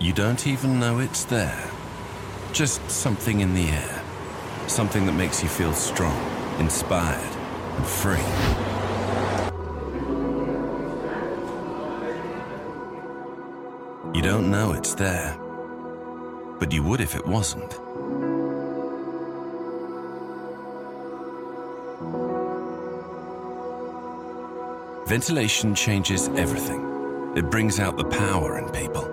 You don't even know it's there. Just something in the air. Something that makes you feel strong, inspired, and free. You don't know it's there, but you would if it wasn't. Ventilation changes everything. It brings out the power in people.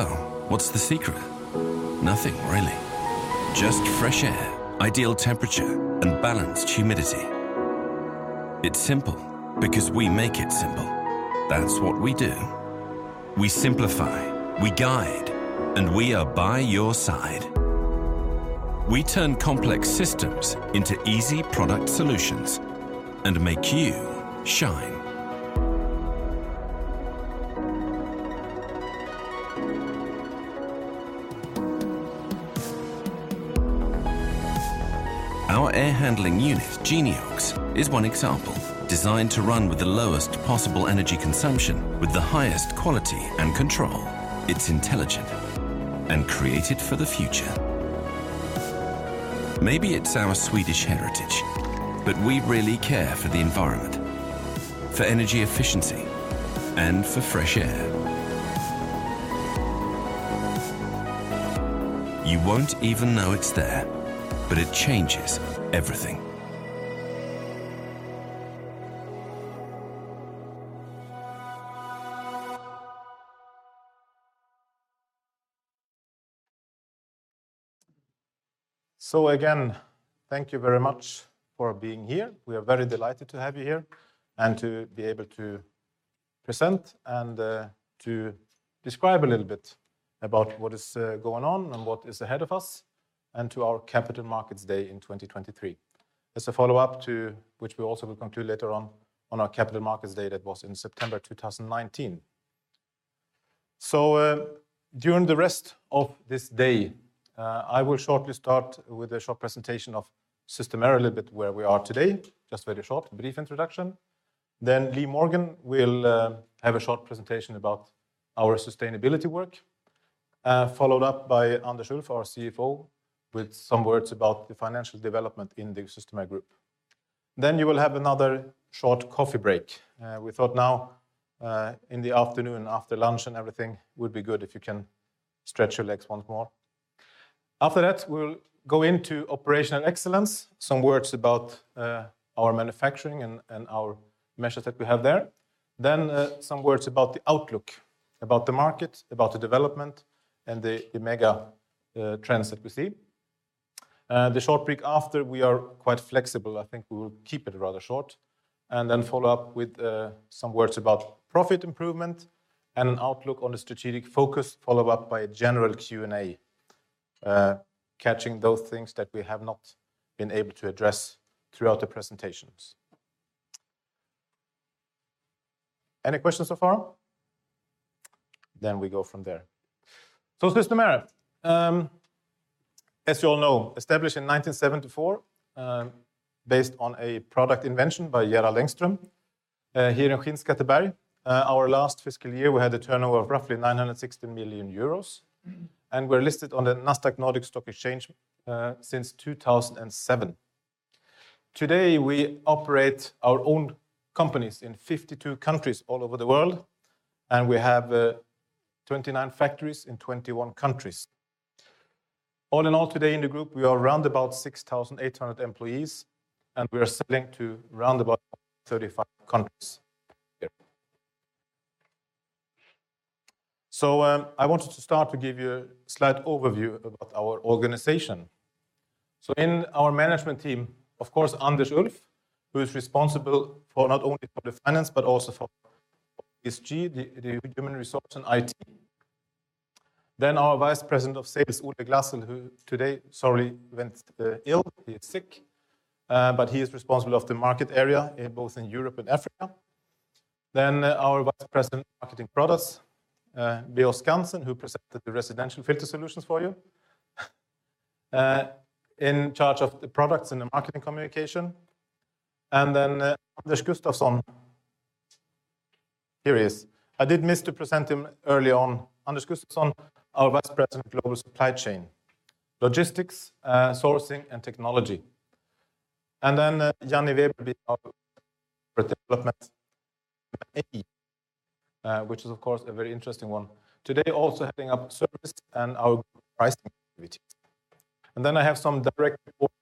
What's the secret? Nothing, really. Just fresh air, ideal temperature, and balanced humidity. It's simple because we make it simple. That's what we do. We simplify, we guide, and we are by your side. We turn complex systems into easy product solutions and make you shine. Our air handling unit, Geniox, is one example, designed to run with the lowest possible energy consumption with the highest quality and control. It's intelligent and created for the future. Maybe it's our Swedish heritage, but we really care for the environment, for energy efficiency, and for fresh air. You won't even know it's there, but it changes everything. Again, thank you very much for being here. We are very delighted to have you here and to be able to present and to describe a little bit about what is going on and what is ahead of us and to our Capital Markets Day in 2023. As a follow-up to which we also will come to later on our Capital Markets Day that was in September 2019. During the rest of this day, I will shortly start with a short presentation of Systemair a little bit where we are today, just very short, brief introduction. Lee Morgan will have a short presentation about our sustainability work, followed up by Anders Ulff, our CFO, with some words about the financial development in the Systemair Group. You will have another short coffee break. We thought now, in the afternoon after lunch and everything would be good if you can stretch your legs once more. We'll go into operational excellence, some words about our manufacturing and our measures that we have there. Some words about the outlook, about the market, about the development and the mega trends that we see. The short break after we are quite flexible, I think we will keep it rather short, follow up with some words about profit improvement and an outlook on the strategic focus, follow up by a general Q&A, catching those things that we have not been able to address throughout the presentations. Any questions so far? We go from there. Systemair, as you all know, established in 1974, based on a product invention by Gerald Engström, here in Skinnskatteberg. Our last fiscal year, we had a turnover of roughly 960 million euros, and we're listed on the Nasdaq Nordic Stock Exchange since 2007. Today, we operate our own companies in 52 countries all over the world, and we have 29 factories in 21 countries. All in all today in the group, we are around about 6,800 employees, and we are selling to around about 35 countries. I wanted to start to give you a slight overview about our organization. In our management team, of course, Anders Ulff, who is responsible for not only for the finance but also for SG, the human resource and IT. Our Vice President of Sales, Ulf Glassel, who today, sorry, went ill. He is sick, but he is responsible of the market area in both in Europe and Africa. Our Vice President of Marketing Products, Bo Skansen, who presented the residential filter solutions for you, in charge of the products and the marketing communication. Anders Gustafsson. Here he is. I did miss to present him early on. Anders Gustafsson, our Vice President of Global Supply Chain, Logistics, Sourcing and Technology. Janni Weber, our Development, which is of course a very interesting one. Today, also heading up service and our pricing activities. I have some direct report,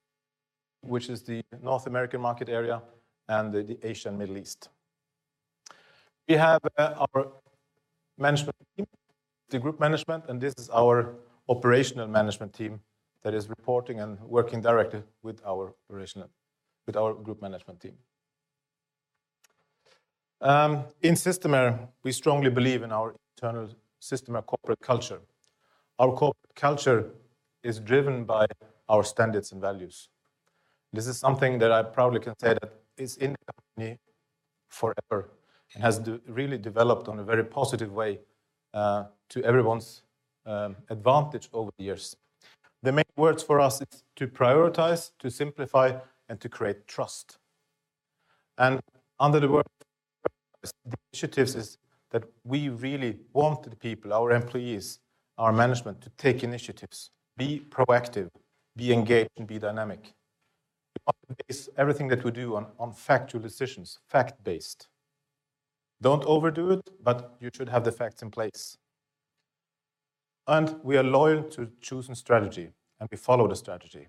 which is the North American market area and the Asian Middle East. We have our management team, the group management, and this is our operational management team that is reporting and working directly with our group management team. In Systemair, we strongly believe in our internal Systemair corporate culture. Our corporate culture is driven by our standards and values. This is something that I proudly can say that is in the company forever. It has really developed on a very positive way, to everyone's advantage over the years. The main words for us is to prioritize, to simplify, and to create trust. Under the initiatives is that we really want the people, our employees, our management, to take initiatives, be proactive, be engaged, and be dynamic. We want to base everything that we do on factual decisions, fact-based. Don't overdo it, but you should have the facts in place. We are loyal to choosing strategy, and we follow the strategy.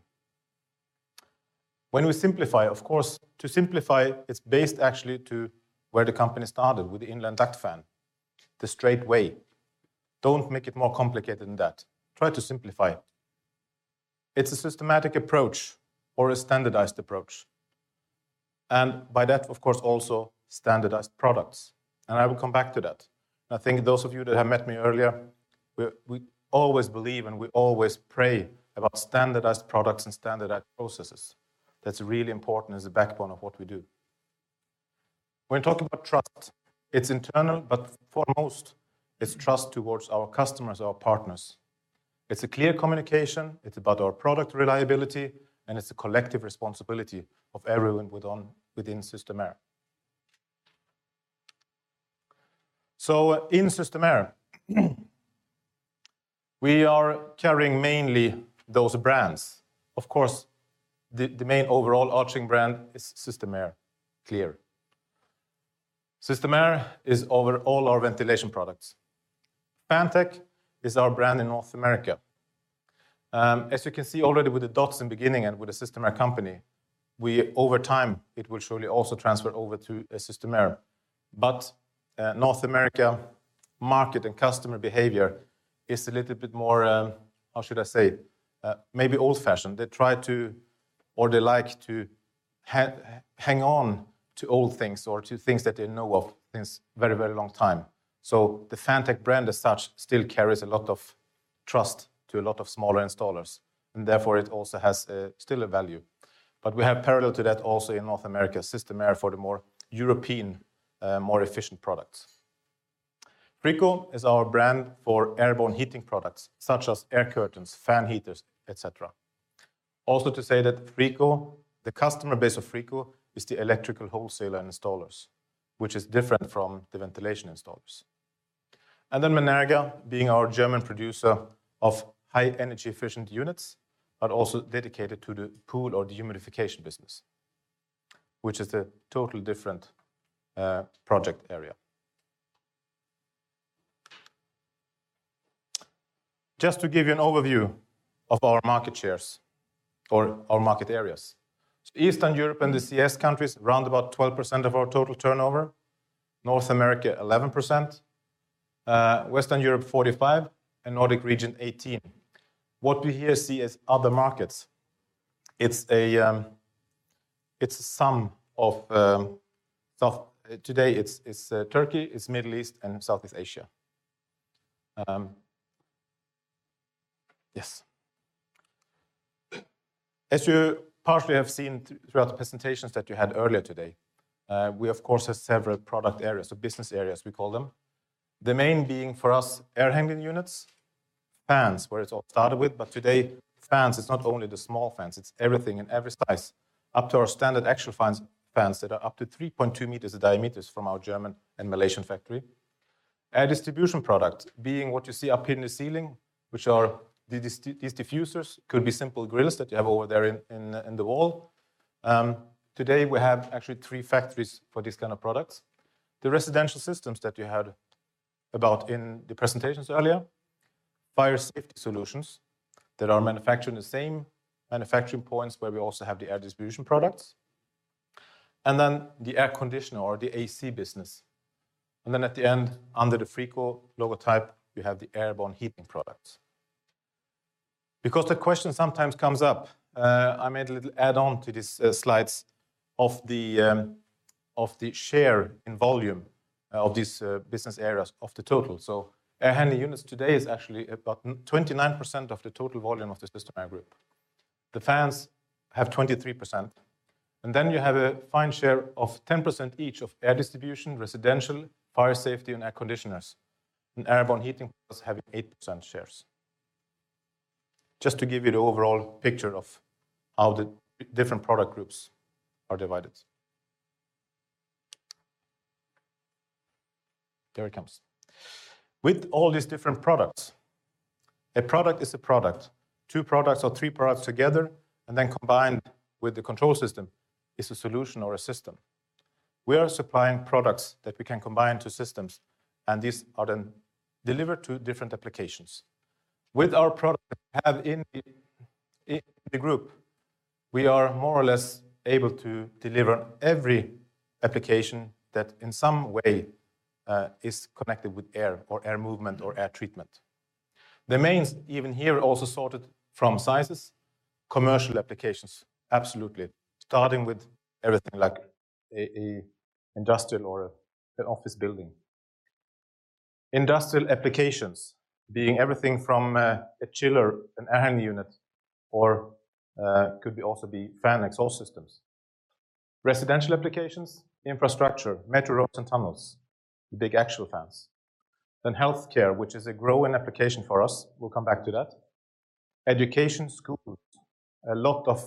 When we simplify, of course, to simplify, it's based actually to where the company started with the in-line duct fan, the straight way. Don't make it more complicated than that. Try to simplify it. It's a systematic approach or a standardized approach, and by that, of course, also standardized products, and I will come back to that. I think those of you that have met me earlier, we always believe and we always pray about standardized products and standardized processes. That's really important as a backbone of what we do. When talking about trust, it's internal, but foremost, it's trust towards our customers, our partners. It's a clear communication, it's about our product reliability, and it's a collective responsibility of everyone within Systemair. In Systemair, we are carrying mainly those brands. Of course, the main overall arching brand is Systemair, clear. Systemair is over all our ventilation products. Fantech is our brand in North America. As you can see already with the docs in beginning and with the Systemair company, we over time, it will surely also transfer over to Systemair. North America market and customer behavior is a little bit more, how should I say, maybe old-fashioned. They try to or they like to hang on to old things or to things that they know of since very, very long time. The Fantech brand as such still carries a lot of trust to a lot of smaller installers, and therefore it also has still a value. We have parallel to that also in North America, Systemair for the more European, more efficient products. Frico is our brand for airborne heating products such as air curtains, fan heaters, et cetera. To say that Frico, the customer base of Frico is the electrical wholesaler installers, which is different from the ventilation installers. Menerga being our German producer of high energy efficient units, but also dedicated to the pool or dehumidification business, which is a totally different project area. Just to give you an overview of our market shares or our market areas. Eastern Europe and the CIS countries, around about 12% of our total turnover, North America 11%, Western Europe 45%, and Nordic region 18%. What we here see as other markets, it's a sum of, today it's Turkey, it's Middle East, and Southeast Asia. Yes. As you partially have seen throughout the presentations that you had earlier today, we of course have several product areas or business areas, we call them. The main being for us air handling units, fans, where it all started with, but today fans, it's not only the small fans, it's everything in every size, up to our standard axial fans that are up to 3.2 meters in diameters from our German and Malaysian factory. Air distribution product being what you see up here in the ceiling, which are these diffusers, could be simple grills that you have over there in the wall. Today we have actually three factories for these kind of products. The residential systems that you had about in the presentations earlier, fire safety solutions that are manufactured in the same manufacturing points where we also have the air distribution products, and then the air conditioner or the AC business. At the end, under the Frico logo type, you have the airborne heating products. The question sometimes comes up, I made a little add on to these slides of the of the share in volume of these business areas of the total. Air handling units today is actually about 29% of the total volume of the Systemair group. The fans have 23%, and then you have a fine share of 10% each of air distribution, residential, fire safety, and air conditioners, and airborne heating plus having 8% shares. Just to give you the overall picture of how the different product groups are divided. There it comes. With all these different products, a product is a product. Two products or three products together, and then combined with the control system is a solution or a system. We are supplying products that we can combine to systems, and these are then delivered to different applications. With our product we have in the group, we are more or less able to deliver every application that in some way is connected with air or air movement or air treatment. The mains even here are also sorted from sizes, commercial applications, absolutely, starting with everything like a industrial or an office building. Industrial applications being everything from a chiller, an air handling unit, or could also be fan exhaust systems. Residential applications, infrastructure, metro roads and tunnels, big actual fans. Then healthcare, which is a growing application for us. We'll come back to that. Education, schools, a lot of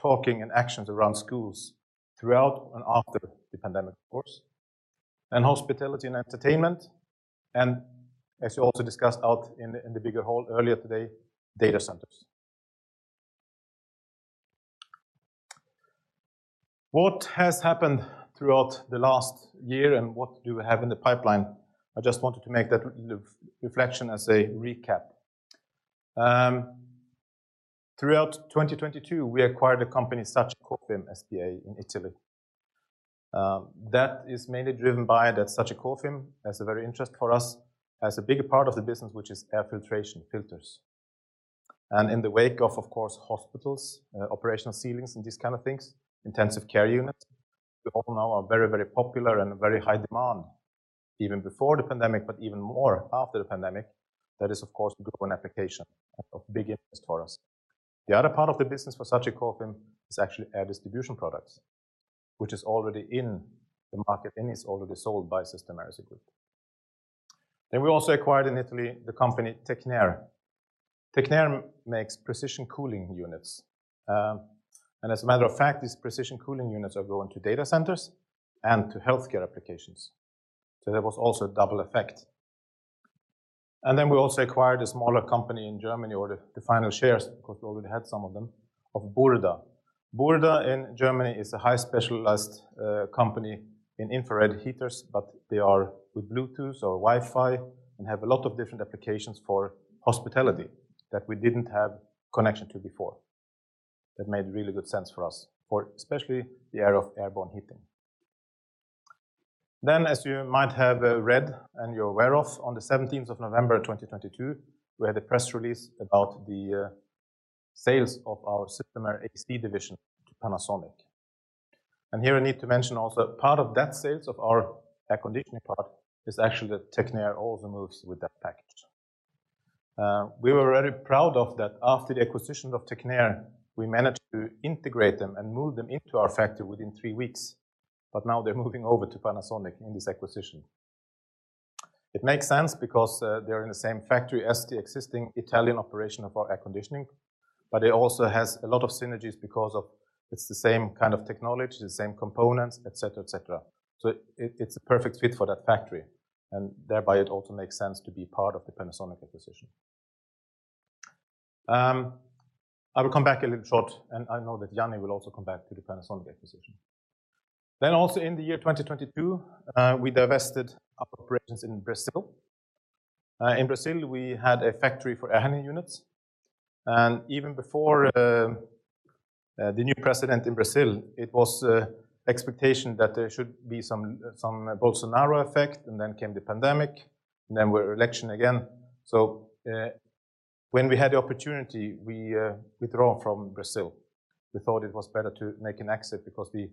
talking and actions around schools throughout and after the pandemic, of course. Then hospitality and entertainment, and as you also discussed out in the bigger hall earlier today, data centers. What has happened throughout the last year and what do we have in the pipeline? I just wanted to make that re-reflection as a recap. Throughout 2022, we acquired a company, SagiCofim SPA, in Italy. That is mainly driven by that SagiCofim has a very interest for us as a bigger part of the business, which is air filtration, filters. In the wake of course, hospitals, operational ceilings and these kind of things, intensive care units, they all now are very, very popular and very high demand, even before the pandemic, but even more after the pandemic. That is, of course, a good application of big interest for us. The other part of the business for SagiCofim is actually air distribution products, which is already in the market and is already sold by Systemair as a group. Then we also acquired in Italy the company Tecnair. Tecnair makes precision cooling units. And as a matter of fact, these precision cooling units are going to data centers and to healthcare applications. There was also a double effect. Then we also acquired a smaller company in Germany, or the final shares, of course, we already had some of them, of Burda. Burda in Germany is a high specialized company in infrared heaters, but they are with Bluetooth or Wi-Fi and have a lot of different applications for hospitality that we didn't have connection to before. That made really good sense for us, for especially the area of airborne heating. As you might have read and you're aware of, on November 17, 2022, we had a press release about the sales of our Systemair AC division to Panasonic. Here I need to mention also part of that sales of our air conditioning part is actually that Tecnair also moves with that package. We were very proud of that after the acquisition of Tecnair, we managed to integrate them and move them into our factory within three weeks. Now they're moving over to Panasonic in this acquisition. It makes sense because they're in the same factory as the existing Italian operation of our air conditioning. It also has a lot of synergies because of it's the same kind of technology, the same components, et cetera, et cetera. It's a perfect fit for that factory. Thereby it also makes sense to be part of the Panasonic acquisition. I will come back a little short. I know that Janni will also come back to the Panasonic acquisition. Also in the year 2022, we divested our operations in Brazil. In Brazil, we had a factory for air handling units. Even before the new president in Brazil, it was expectation that there should be some Bolsonaro effect. Then came the pandemic. Then were election again. When we had the opportunity, we withdraw from Brazil. We thought it was better to make an exit because the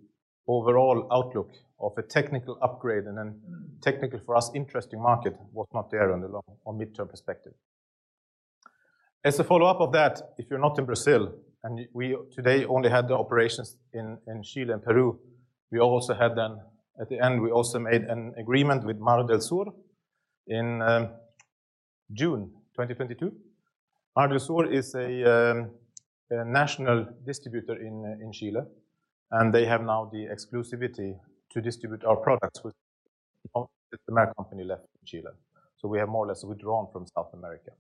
overall outlook of a technical upgrade and a technically for us interesting market was not there on the long or midterm perspective. As a follow-up of that, if you're not in Brazil, and we today only had the operations in Chile and Peru, we also had, at the end, we also made an agreement with Mar del Sur in June 2022. Mar del Sur is a national distributor in Chile, and they have now the exclusivity to distribute our products with the only Systemair company left in Chile. We have more or less withdrawn from South America.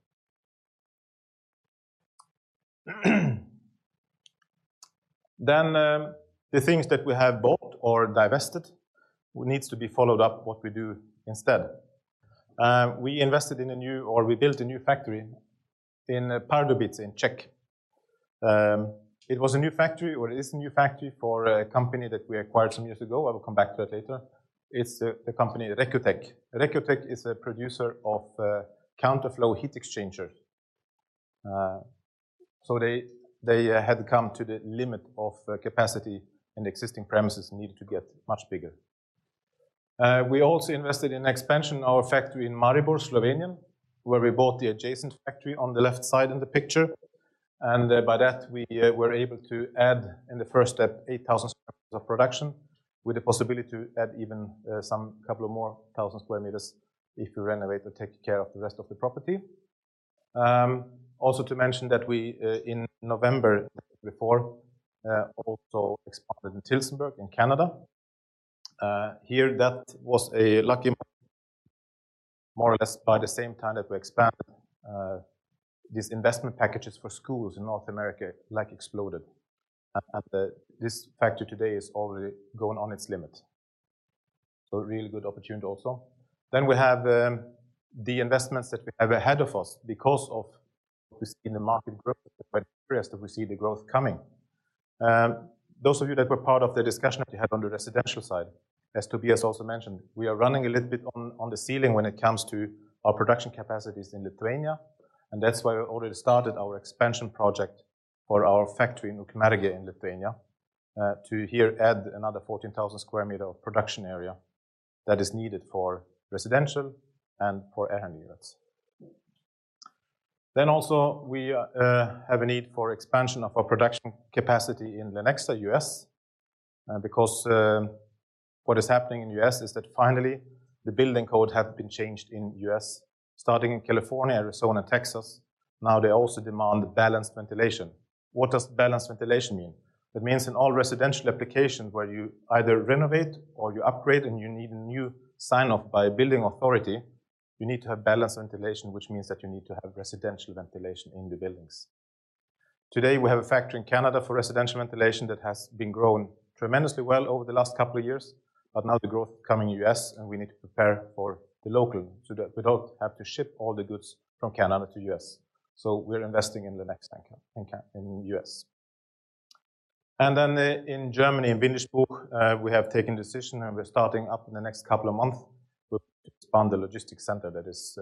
The things that we have bought or divested need to be followed up what we do instead. We invested in a new or we built a new factory in Pardubice in Czech. It was a new factory, or it is a new factory for a company that we acquired some years ago. I will come back to that later. It's a company, Recutech. Recutech is a producer of counter flow heat exchanger. They had come to the limit of capacity and existing premises needed to get much bigger. We also invested in expansion of our factory in Maribor, Slovenia, where we bought the adjacent factory on the left side in the picture. By that, we were able to add, in the first step, 8,000 square meters of production with the possibility to add even some couple of more thousand square meters if we renovate or take care of the rest of the property. Also to mention that we in November, before, also expanded in Tillsonburg in Canada. Here that was a lucky more or less by the same time that we expanded, these investment packages for schools in North America like exploded. This factory today is already going on its limit. A really good opportunity also. We have the investments that we have ahead of us because of this in the market growth. First we see the growth coming. Those of you that were part of the discussion that we had on the residential side, as Tobias also mentioned, we are running a little bit on the ceiling when it comes to our production capacities in Lithuania, and that's why we already started our expansion project for our factory in Ukmergė in Lithuania. To here add another 14,000 square meter of production area that is needed for residential and for air handling units. Also we have a need for expansion of our production capacity in Lenexa, US, because what is happening in US is that finally the building code have been changed in US, starting in California, Arizona, Texas. Now they also demand balanced ventilation. What does balanced ventilation mean? It means in all residential applications where you either renovate or you upgrade and you need a new sign-off by a building authority, you need to have balanced ventilation, which means that you need to have residential ventilation in the buildings. Today, we have a factory in Canada for residential ventilation that has been growing tremendously well over the last couple of years, now the growth coming U.S., and we need to prepare for the local so that we don't have to ship all the goods from Canada to U.S. We're investing in Lenexa, in U.S. In Germany, in Windischbuch, we have taken decision and we're starting up in the next couple of months to expand the logistics center that is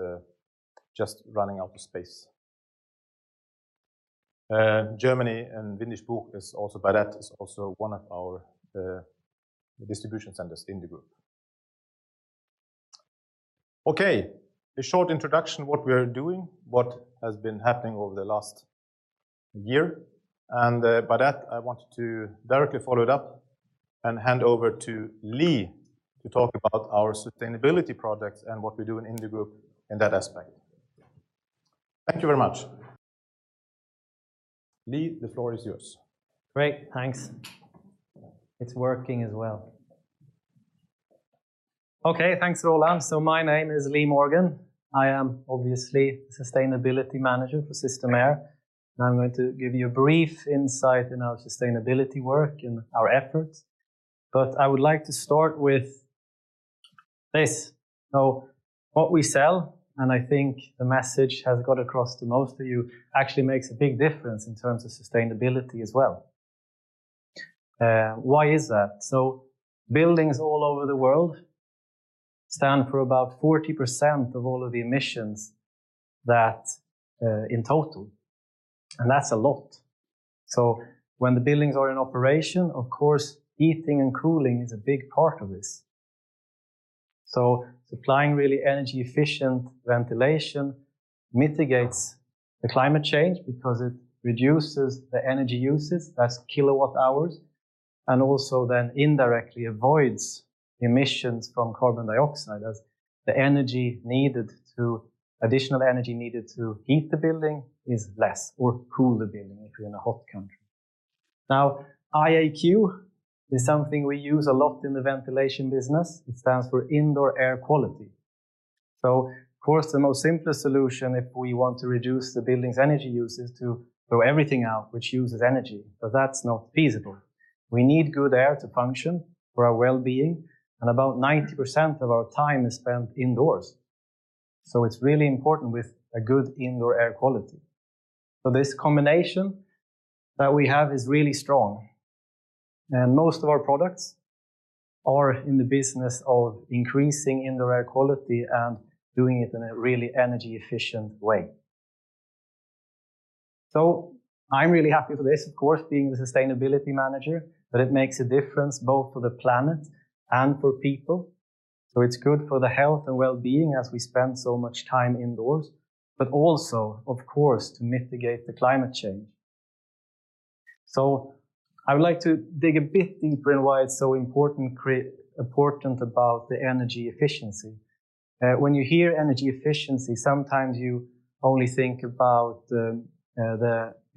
just running out of space. Germany and Windischbuch is also by that, is also one of our distribution centers in the group. Okay. A short introduction what we are doing, what has been happening over the last year. By that, I want to directly follow it up and hand over to Lee to talk about our sustainability projects and what we do in Indu Group in that aspect. Thank you very much. Lee, the floor is yours. Great, thanks. It's working as well. Okay, thanks, Gerald. My name is Lee Morgan. I am obviously Sustainability Manager for Systemair, and I'm going to give you a brief insight in our sustainability work and our efforts. I would like to start with this. What we sell, and I think the message has got across to most of you, actually makes a big difference in terms of sustainability as well. Why is that? Buildings all over the world stand for about 40% of all of the emissions that in total, and that's a lot. When the buildings are in operation, of course, heating and cooling is a big part of this. Supplying really energy-efficient ventilation mitigates the climate change because it reduces the energy uses, that's kilowatt hours, and also then indirectly avoids emissions from CO2 as the additional energy needed to heat the building is less, or cool the building if you're in a hot country. IAQ is something we use a lot in the ventilation business. It stands for indoor air quality. Of course, the most simplest solution if we want to reduce the building's energy use is to throw everything out which uses energy, but that's not feasible. We need good air to function for our well-being, and about 90% of our time is spent indoors. It's really important with a good indoor air quality. This combination that we have is really strong, and most of our products are in the business of increasing indoor air quality and doing it in a really energy-efficient way. I'm really happy with this, of course, being the sustainability manager, but it makes a difference both for the planet and for people. It's good for the health and well-being as we spend so much time indoors, but also of course to mitigate the climate change. I would like to dig a bit deeper in why it's so important about the energy efficiency. When you hear energy efficiency, sometimes you only think about the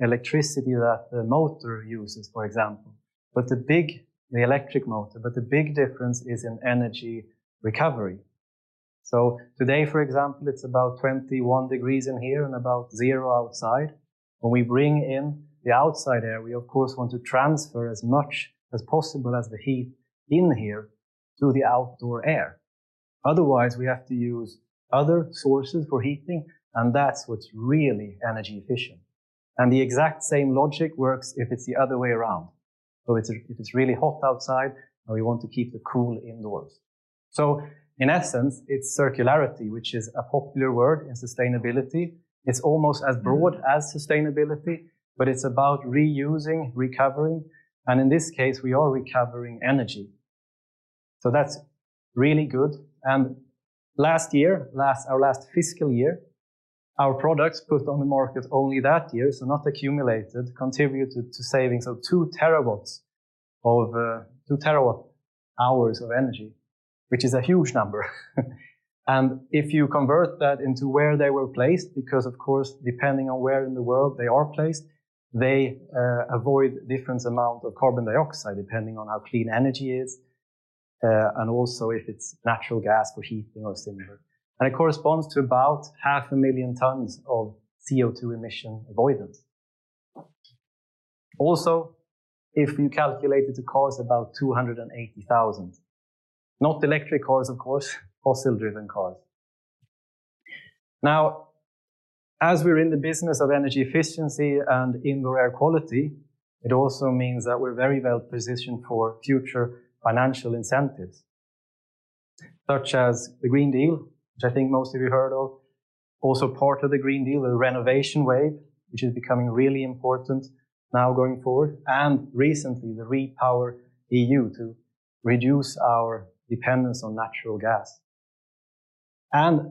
electricity that the motor uses, for example. The big difference is in energy recovery. Today, for example, it's about 21 degrees in here and about zero outside. When we bring in the outside air, we of course want to transfer as much as possible as the heat in here to the outdoor air. Otherwise, we have to use other sources for heating, that's what's really energy efficient. The exact same logic works if it's the other way around. If it's really hot outside, we want to keep the cool indoors. In essence, it's circularity, which is a popular word in sustainability. It's almost as broad as sustainability, it's about reusing, recovering, in this case, we are recovering energy. That's really good. Last year, our last fiscal year, our products put on the market only that year, not accumulated, contributed to savings of two terawatt-hours of energy, which is a huge number. If you convert that into where they were placed, because of course, depending on where in the world they are placed, they avoid different amount of carbon dioxide, depending on how clean energy is, and also if it's natural gas for heating or similar. It corresponds to about 500,000 tons of CO2 emission avoidance. If you calculate it to cars, about 280,000. Not electric cars, of course, fossil-driven cars. Now, as we're in the business of energy efficiency and indoor air quality, it also means that we're very well-positioned for future financial incentives. Such as the Green Deal, which I think most of you heard of. Part of the Green Deal, the Renovation Wave, which is becoming really important now going forward, and recently, the REPowerEU to reduce our dependence on natural gas.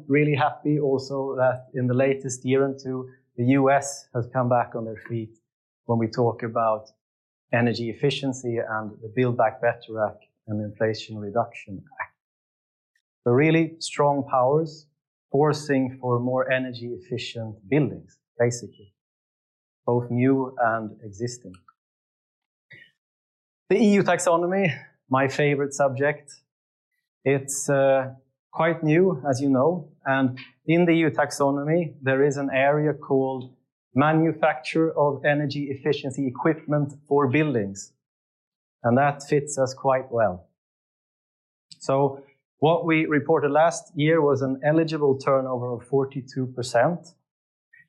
Really happy also that in the latest year or two, the U.S. has come back on their feet when we talk about energy efficiency and the Build Back Better Act and Inflation Reduction Act. The really strong powers forcing for more energy-efficient buildings, basically, both new and existing. The EU taxonomy, my favorite subject, it's quite new, as you know. In the EU taxonomy, there is an area called manufacture of energy efficiency equipment for buildings, and that fits us quite well. What we reported last year was an eligible turnover of 42%,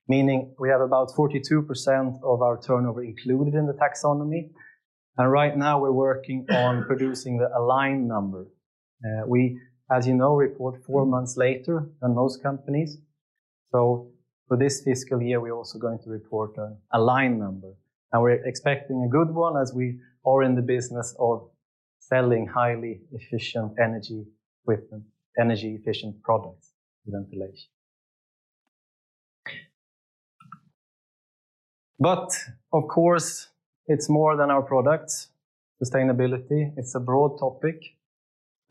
meaning we have about 42% of our turnover included in the taxonomy. Right now we're working on producing the align number. We, as you know, report four months later than most companies. For this fiscal year, we're also going to report an align number, and we're expecting a good one as we are in the business of selling highly efficient energy equipment, energy-efficient products, ventilation. Of course, it's more than our products. Sustainability, it's a broad topic,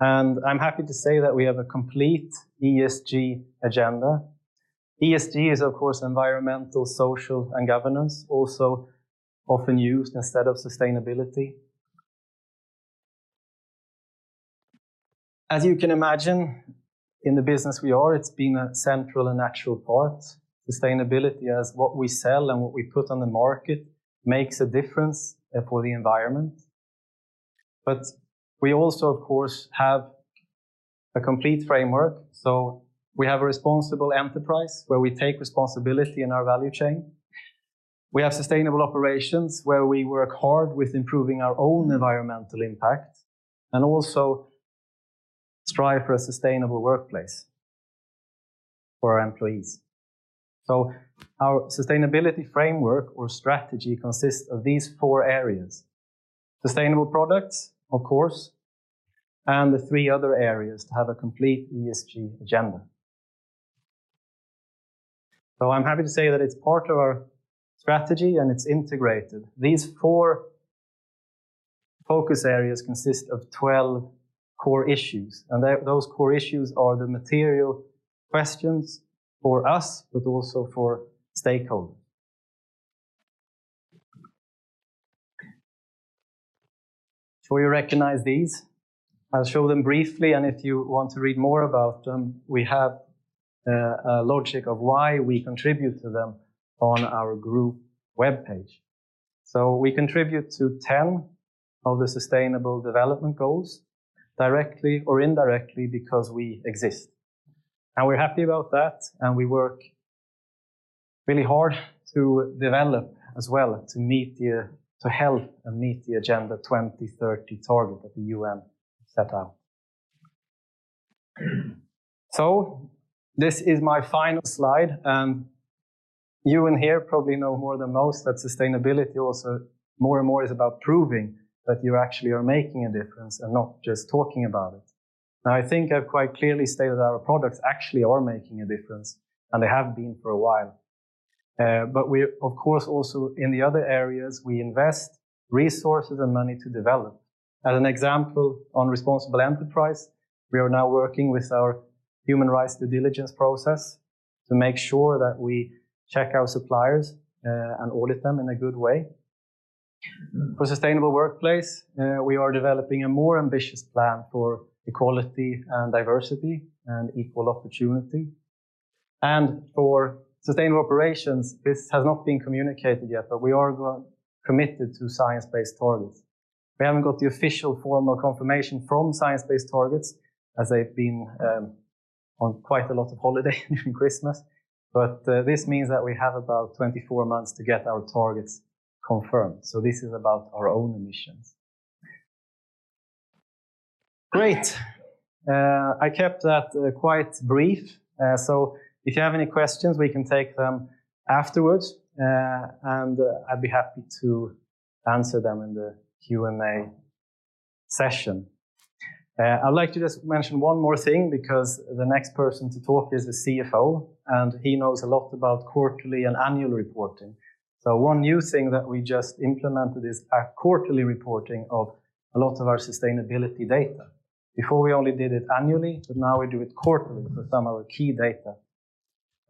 and I'm happy to say that we have a complete ESG agenda. ESG is of course environmental, social, and governance, also often used instead of sustainability. As you can imagine, in the business we are, it's been a central and natural part. Sustainability as what we sell and what we put on the market makes a difference for the environment. We also, of course, have a complete framework. We have a responsible enterprise where we take responsibility in our value chain. We have sustainable operations where we work hard with improving our own environmental impact and also strive for a sustainable workplace for our employees. Our sustainability framework or strategy consists of these four areas, sustainable products, of course, and the three other areas to have a complete ESG agenda. I'm happy to say that it's part of our strategy, and it's integrated. These 4 focus areas consist of 12 core issues, and those core issues are the material questions for us but also for stakeholders. Sure you recognize these. I'll show them briefly, and if you want to read more about them, we have a logic of why we contribute to them on our group webpage. We contribute to 10 of the Sustainable Development Goals directly or indirectly because we exist, and we're happy about that, and we work really hard to develop as well to help and meet the Agenda 2030 target that the UN set out. This is my final slide, and you in here probably know more than most that sustainability also more and more is about proving that you actually are making a difference and not just talking about it. I think I've quite clearly stated our products actually are making a difference, and they have been for a while. We of course also, in the other areas, we invest resources and money to develop. As an example, on responsible enterprise, we are now working with our human rights due diligence process to make sure that we check our suppliers and audit them in a good way. For sustainable workplace, we are developing a more ambitious plan for equality and diversity and equal opportunity. For sustainable operations, this has not been communicated yet, but we are committed to Science Based Targets. We haven't got the official formal confirmation from Science Based Targets as they've been on quite a lot of holiday since Christmas. This means that we have about 24 months to get our targets confirmed. This is about our own emissions. Great. I kept that quite brief. If you have any questions, we can take them afterwards, and I'd be happy to answer them in the Q&A session. I'd like to just mention one more thing because the next person to talk is the CFO, and he knows a lot about quarterly and annual reporting. One new thing that we just implemented is a quarterly reporting of a lot of our sustainability data. Before, we only did it annually, but now we do it quarterly for some of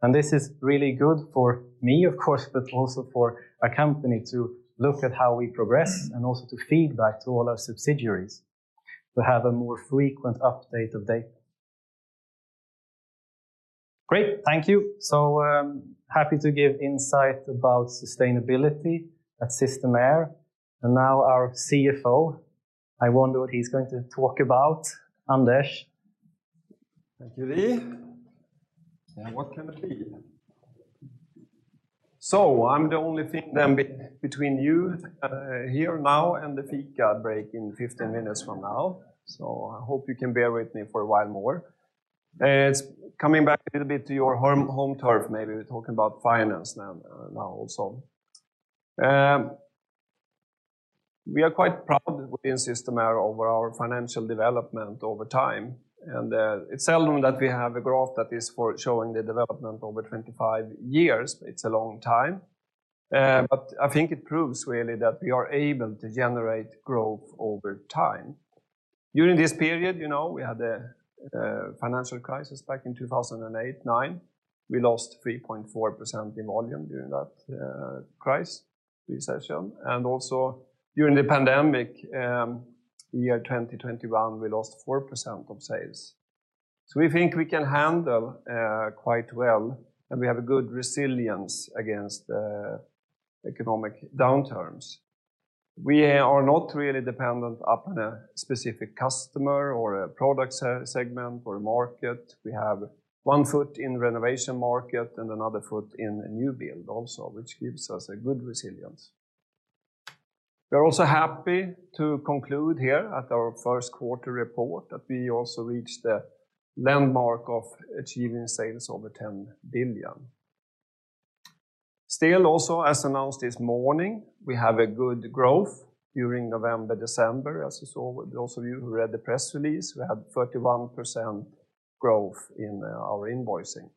our key data. This is really good for me, of course, but also for a company to look at how we progress and also to feed back to all our subsidiaries to have a more frequent update of data. Great. Thank you. Happy to give insight about sustainability at Systemair. Now our CFO, I wonder what he's going to talk about. Anders. Thank you, Lee. What can it be? I'm the only thing then between you here now and the fika break in 15 minutes from now. I hope you can bear with me for a while more. It's coming back a little bit to your home turf. Maybe we're talking about finance now also. We are quite proud within Systemair over our financial development over time, and it's seldom that we have a graph that is for showing the development over 25 years. It's a long time. I think it proves really that we are able to generate growth over time. During this period, you know, we had a financial crisis back in 2008, 2009. We lost 3.4% in volume during that recession, and also during the pandemic year 2021, we lost 4% of sales. We think we can handle quite well, and we have a good resilience against economic downturns. We are not really dependent upon a specific customer or a product segment or a market. We have one foot in renovation market and another foot in new build also, which gives us a good resilience. We are also happy to conclude here at our first quarter report that we also reached the landmark of achieving sales over 10 billion. Also, as announced this morning, we have a good growth during November, December. As you saw, those of you who read the press release, we had 31% growth in our invoicing.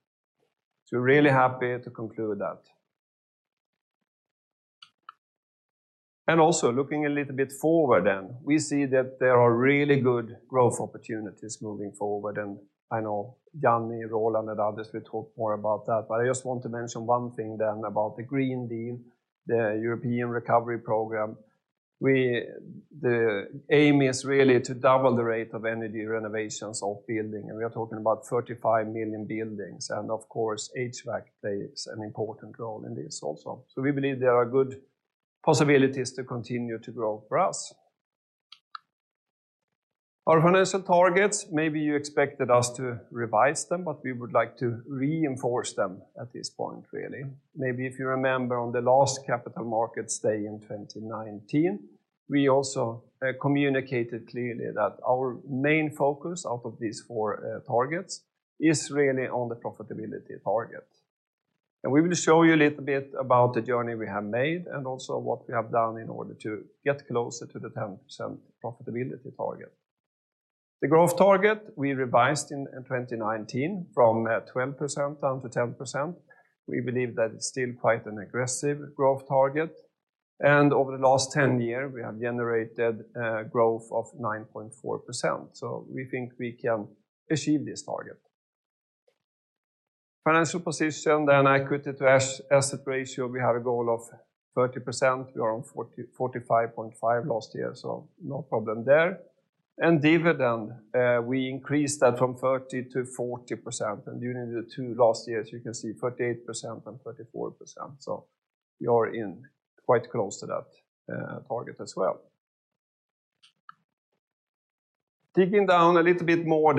We're really happy to conclude that. Also looking a little bit forward then, we see that there are really good growth opportunities moving forward, and I know Jani, Roland, and others will talk more about that. I just want to mention one thing then about the Green Deal, the European recovery program. The aim is really to double the rate of energy renovations of building, and we are talking about 35 million buildings, and of course, HVAC plays an important role in this also. We believe there are good possibilities to continue to grow for us. Our financial targets, maybe you expected us to revise them, but we would like to reinforce them at this point, really. Maybe if you remember on the last Capital Markets Day in 2019, we also communicated clearly that our main focus out of these four targets is really on the profitability target. We will show you a little bit about the journey we have made and also what we have done in order to get closer to the 10% profitability target. The growth target we revised in 2019 from 12% down to 10%. We believe that it's still quite an aggressive growth target, over the last 10 year, we have generated growth of 9.4%. We think we can achieve this target. Financial position, equity to asset ratio, we have a goal of 30%. We are on 45.5% last year, no problem there. Dividend, we increased that from 30%-40%, and during the 2 last years, you can see 48% and 44%. We are in quite close to that target as well. Digging down a little bit more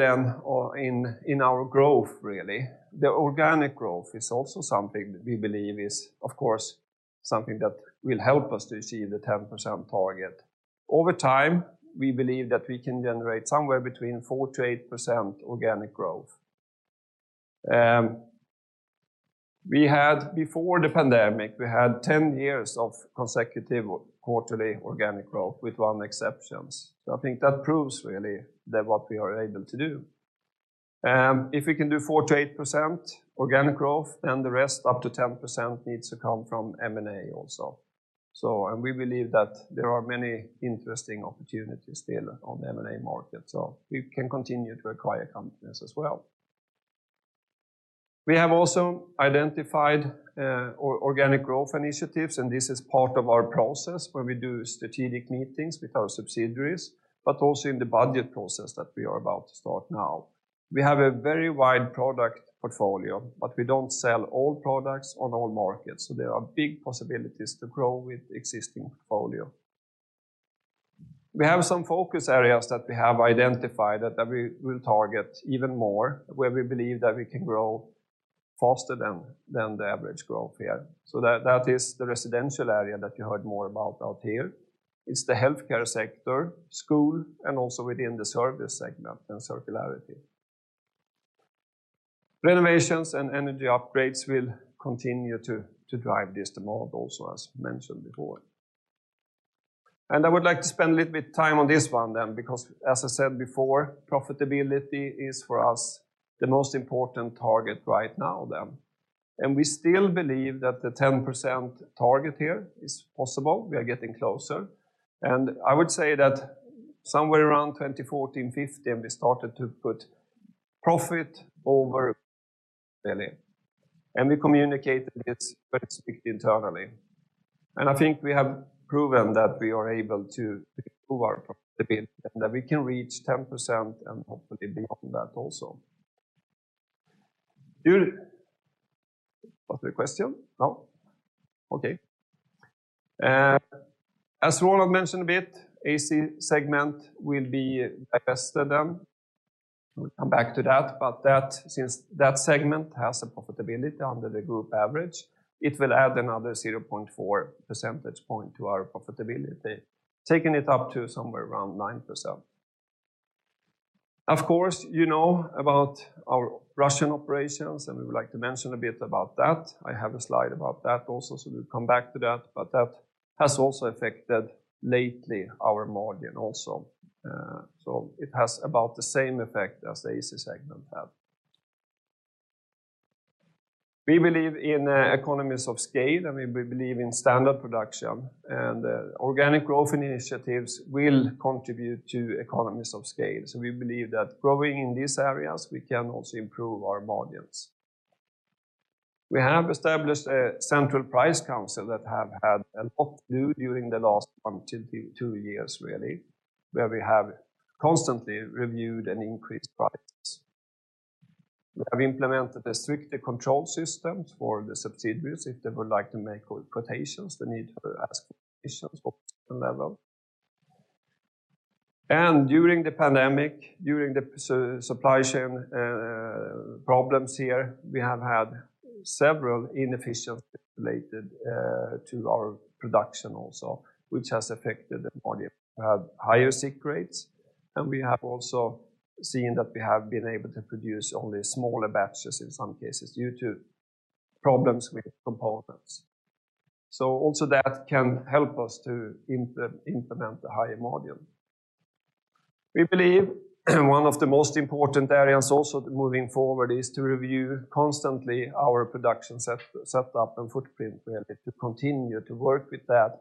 in our growth really, the organic growth is also something that we believe is of course, something that will help us to achieve the 10% target. Over time, we believe that we can generate somewhere between 4%-8% organic growth. We had, before the pandemic, we had 10 years of consecutive quarterly organic growth with one exceptions. I think that proves really that what we are able to do. If we can do 4%-8% organic growth, the rest up to 10% needs to come from M&A also. We believe that there are many interesting opportunities still on the M&A market, so we can continue to acquire companies as well. We have also identified organic growth initiatives, and this is part of our process where we do strategic meetings with our subsidiaries, but also in the budget process that we are about to start now. We have a very wide product portfolio, but we don't sell all products on all markets, so there are big possibilities to grow with existing portfolio. We have some focus areas that we have identified that we will target even more, where we believe that we can grow faster than the average growth here. That is the residential area that you heard more about out here. It's the healthcare sector, school, and also within the service segment and circularity. Renovations and energy upgrades will continue to drive this demand also, as mentioned before. I would like to spend a little bit time on this one then, because as I said before, profitability is for us the most important target right now then. We still believe that the 10% target here is possible. We are getting closer. I would say that somewhere around 2014, 2015, we started to put profit over really, and we communicated this very strict internally. I think we have proven that we are able to improve our profitability and that we can reach 10% and hopefully beyond that also. Julie, was there a question? No. Okay, as Roland mentioned a bit, AC segment will be divested then. We'll come back to that, but that, since that segment has a profitability under the group average, it will add another 0.4 percentage point to our profitability, taking it up to somewhere around 9%. Of course, you know about our Russian operations, and we would like to mention a bit about that. I have a slide about that also, so we'll come back to that, but that has also affected lately our margin also. It has about the same effect as the AC segment have. We believe in economies of scale, and we believe in standard production, and organic growth initiatives will contribute to economies of scale. We believe that growing in these areas, we can also improve our margins. We have established a central price council that have had a lot to do during the last one-two years, really, where we have constantly reviewed and increased prices. We have implemented a stricter control system for the subsidiaries. If they would like to make quotations, they need to ask quotations for a certain level. During the pandemic, during the supply chain problems here, we have had several inefficiencies related to our production also, which has affected the margin. We have higher sick rates, and we have also seen that we have been able to produce only smaller batches in some cases due to problems with components. Also that can help us to implement a higher margin. We believe one of the most important areas also moving forward is to review constantly our production setup and footprint, really, to continue to work with that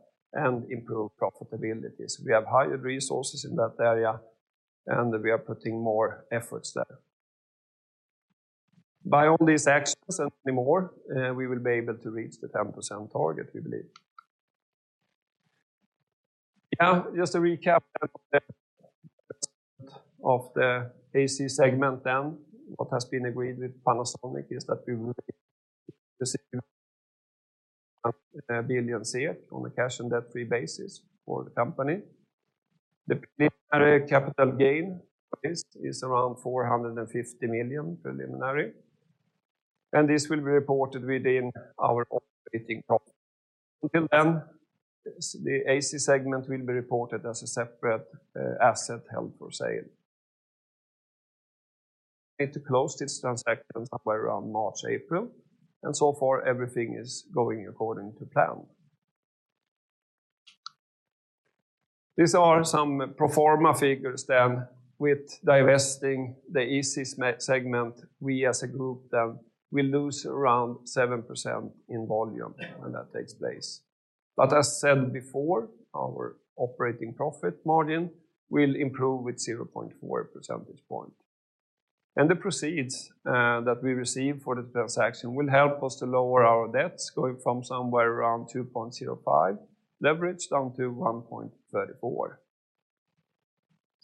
The proceeds that we receive for this transaction will help us to lower our debts going from somewhere around 2.05 leverage down to 1.34.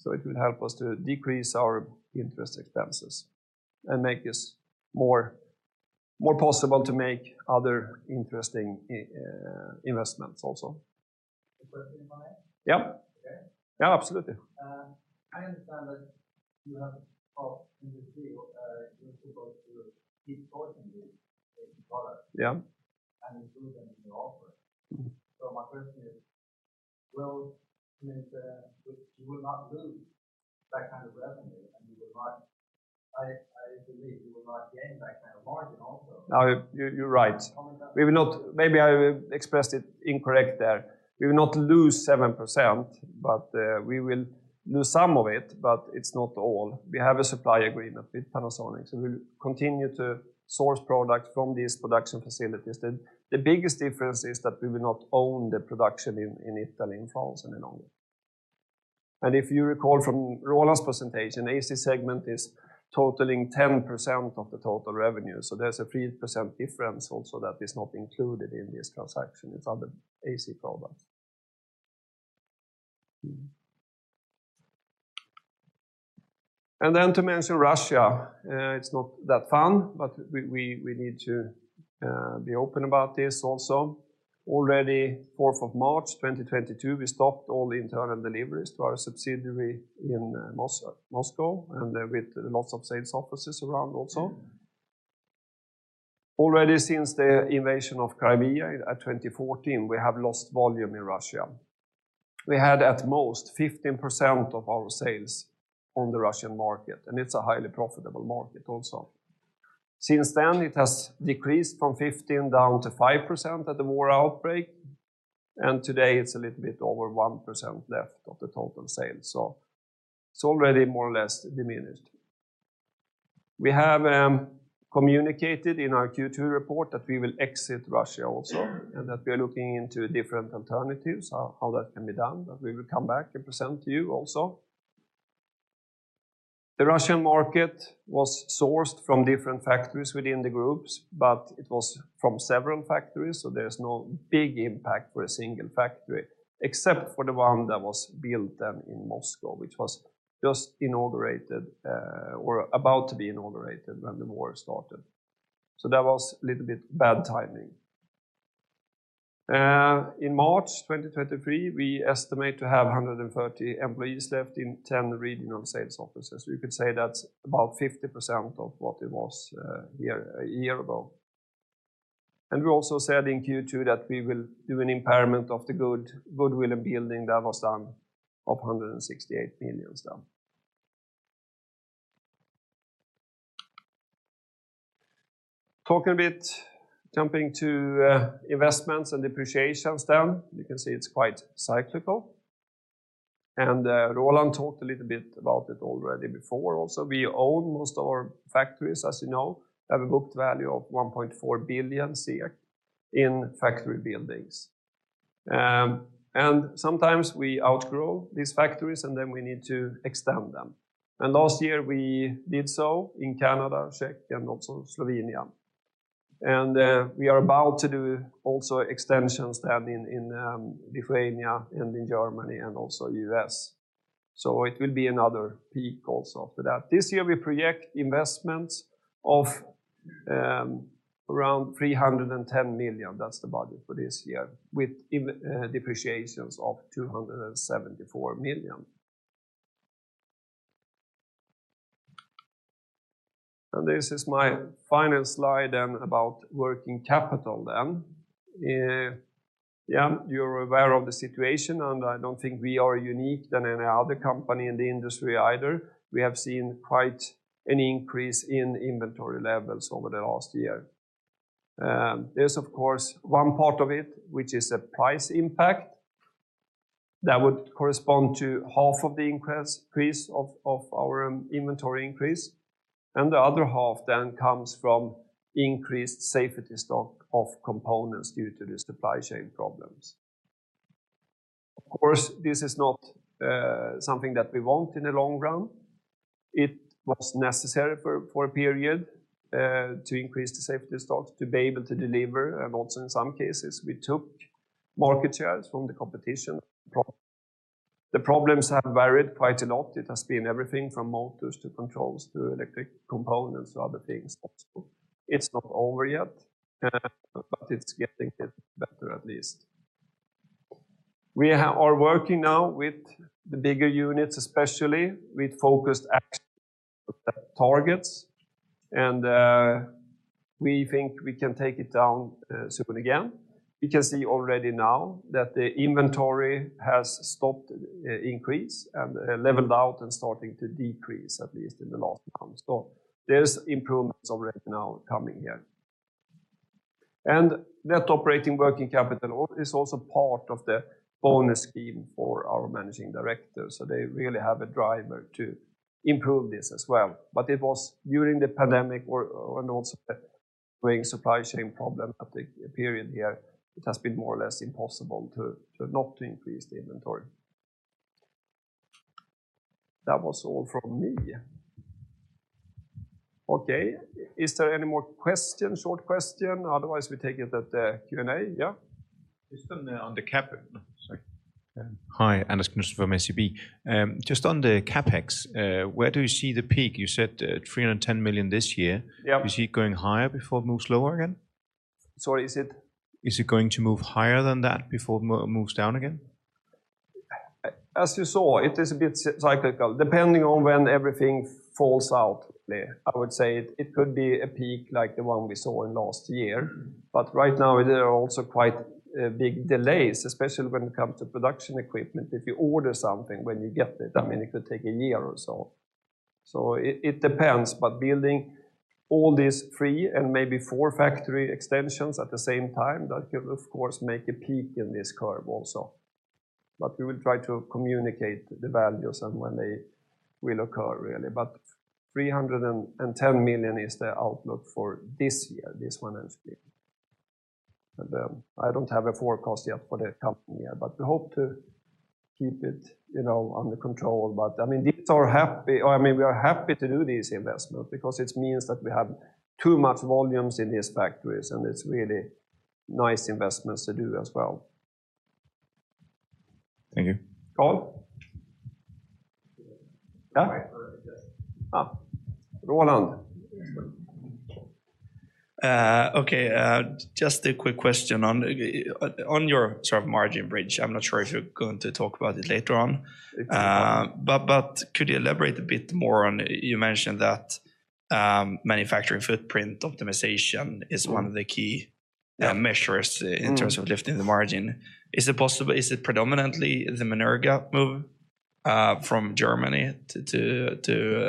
It will help us to decrease our interest expenses and make this more possible to make other interesting investments also. A question, Manny? Yeah. Okay. Yeah, absolutely. I understand that you have in the deal, you're supposed to keep sourcing these AC products. Yeah And include them in your offering. My question is, will, I mean, you will not lose that kind of revenue and you will not, I believe you will not gain that kind of margin also. No, you're right. Comment on that. Maybe I expressed it incorrect there. We will not lose 7%, but we will lose some of it, but it's not all. We have a supply agreement with Panasonic, so we'll continue to source products from these production facilities. The biggest difference is that we will not own the production in Italy, in France, and in Norway. If you recall from Roland's presentation, AC segment is totaling 10% of the total revenue. There's a 3% difference also that is not included in this transaction. It's other AC products. Then to mention Russia, it's not that fun, but we need to be open about this also. Already 4th of March 2022, we stopped all the internal deliveries to our subsidiary in Moscow, and with lots of sales offices around also. Already since the invasion of Crimea in 2014, we have lost volume in Russia. We had at most 15% of our sales on the Russian market, and it's a highly profitable market also. Since then, it has decreased from 15 down to 5% at the war outbreak, and today it's a little bit over 1% left of the total sales. It's already more or less diminished. We have communicated in our Q2 report that we will exit Russia also, and that we are looking into different alternatives, how that can be done, but we will come back and present to you also. The Russian market was sourced from different factories within the groups, but it was from several factories, so there's no big impact for a single factory, except for the one that was built then in Moscow, which was just inaugurated, or about to be inaugurated when the war started. That was a little bit bad timing. In March 2023, we estimate to have 130 employees left in 10 regional sales offices. You could say that's about 50% of what it was a year ago. We also said in Q2 that we will do an impairment of the goodwill and building that was done of 168 million SEK. Talking a bit, jumping to investments and depreciations then, you can see it's quite cyclical. Gerald talked a little bit about it already before also. We own most of our factories, as you know, have a booked value of 1.4 billion SEK in factory buildings. Sometimes we outgrow these factories, then we need to extend them. Last year we did so in Canada, Czech, and also Slovenia. We are about to do also extensions then in Lithuania and in Germany and also U.S. It will be another peak also after that. This year we project investments of around 310 million. That's the budget for this year, with depreciations of 274 million. This is my final slide about working capital then. Yeah, you're aware of the situation, I don't think we are unique than any other company in the industry either. We have seen quite an increase in inventory levels over the last year. There's of course one part of it which is a price impact that would correspond to half of the increase of our inventory increase. The other half then comes from increased safety stock of components due to the supply chain problems. Of course, this is not something that we want in the long run. It was necessary for a period to increase the safety stocks to be able to deliver. Also in some cases we took market shares from the competition. The problems have varied quite a lot. It has been everything from motors to controls to electric components to other things also. It's not over yet, but it's getting a bit better at least. We are working now with the bigger units, especially with focused action targets, and we think we can take it down soon again. You can see already now that the inventory has stopped increase and leveled out and starting to decrease, at least in the last month. There's improvements already now coming here. Net operating working capital is also part of the bonus scheme for our managing directors. They really have a driver to improve this as well. It was during the pandemic or, and also during supply chain problem at the period here, it has been more or less impossible to not increase the inventory. That was all from me. Okay. Is there any more question? Short question, otherwise we take it at the Q&A. Yeah. Sorry. Hi, Anders Knudsen from SEB. Just on the CapEx, where do you see the peak? You said 310 million SEK this year. Yeah. You see it going higher before it moves lower again? Sorry, is it? Is it going to move higher than that before moves down again? As you saw, it is a bit cyclical depending on when everything falls out there. I would say it could be a peak like the one we saw in last year, but right now there are also quite big delays, especially when it comes to production equipment. If you order something, when you get it, I mean, it could take a year or so. It depends, but building all these three and maybe four factory extensions at the same time, that could of course make a peak in this curve also. We will try to communicate the values and when they will occur really. 310 million is the outlook for this year, this one actually. I don't have a forecast yet for the coming year, but we hope to keep it, you know, under control. I mean, these are happy or I mean, we are happy to do these investments because it means that we have too much volumes in these factories, and it's really nice investments to do as well. Thank you. Carl? Yeah. Roland. Okay. Just a quick question on your sort of margin bridge. I'm not sure if you're going to talk about it later on. If we come- Could you elaborate a bit more on, you mentioned that, manufacturing footprint optimization is one of the key measures in terms of lifting the margin. Is it predominantly the Menerga move from Germany to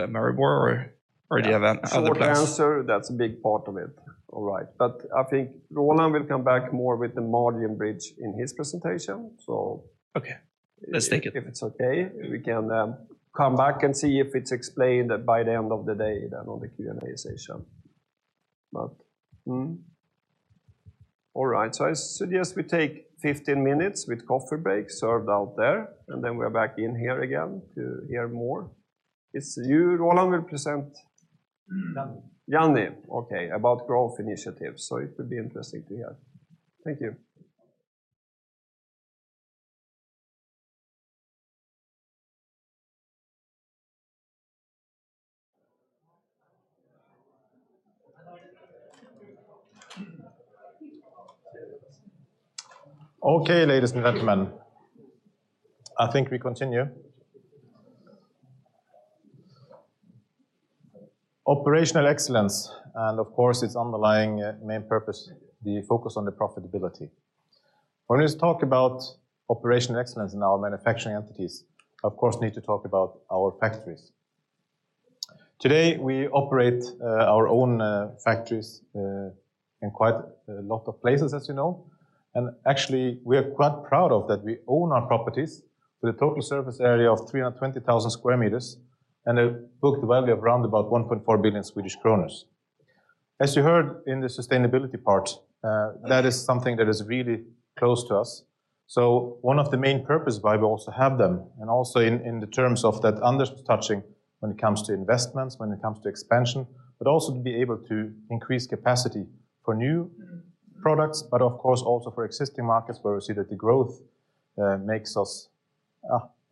Maribor or do you have other plans? The short answer, that's a big part of it. All right. I think Gerald will come back more with the margin bridge in his presentation, so. Okay. Let's take it. If it's okay, we can come back and see if it's explained by the end of the day than on the Q&A session. All right, I suggest we take 15 minutes with coffee break served out there, and then we're back in here again to hear more. It's you, Gerald, will present. Janni. Janni. Okay. About growth initiatives. It will be interesting to hear. Thank you. Okay, ladies and gentlemen. I think we continue. Operational excellence and of course, its underlying main purpose, the focus on the profitability. When we talk about operational excellence in our manufacturing entities, of course, need to talk about our factories. Today, we operate our own factories in quite a lot of places as you know, and actually we are quite proud of that we own our properties with a total surface area of 320,000 square meters and a booked value of round about 1.4 billion Swedish kronor. As you heard in the sustainability part, that is something that is really close to us. One of the main purpose why we also have them, and also in the terms of that Anders touching when it comes to investments, when it comes to expansion, but also to be able to increase capacity for new products, but of course also for existing markets where we see that the growth makes us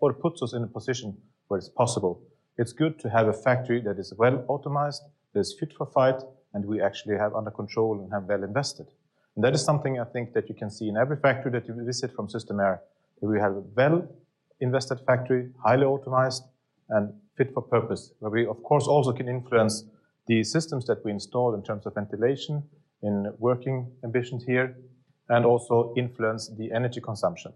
or puts us in a position where it's possible. It's good to have a factory that is well optimized, that is fit for fight, and we actually have under control and have well invested. That is something I think that you can see in every factory that you visit from Systemair, that we have a well-invested factory, highly optimized, and fit for purpose, where we of course also can influence the systems that we install in terms of ventilation, in working ambitions here, and also influence the energy consumption.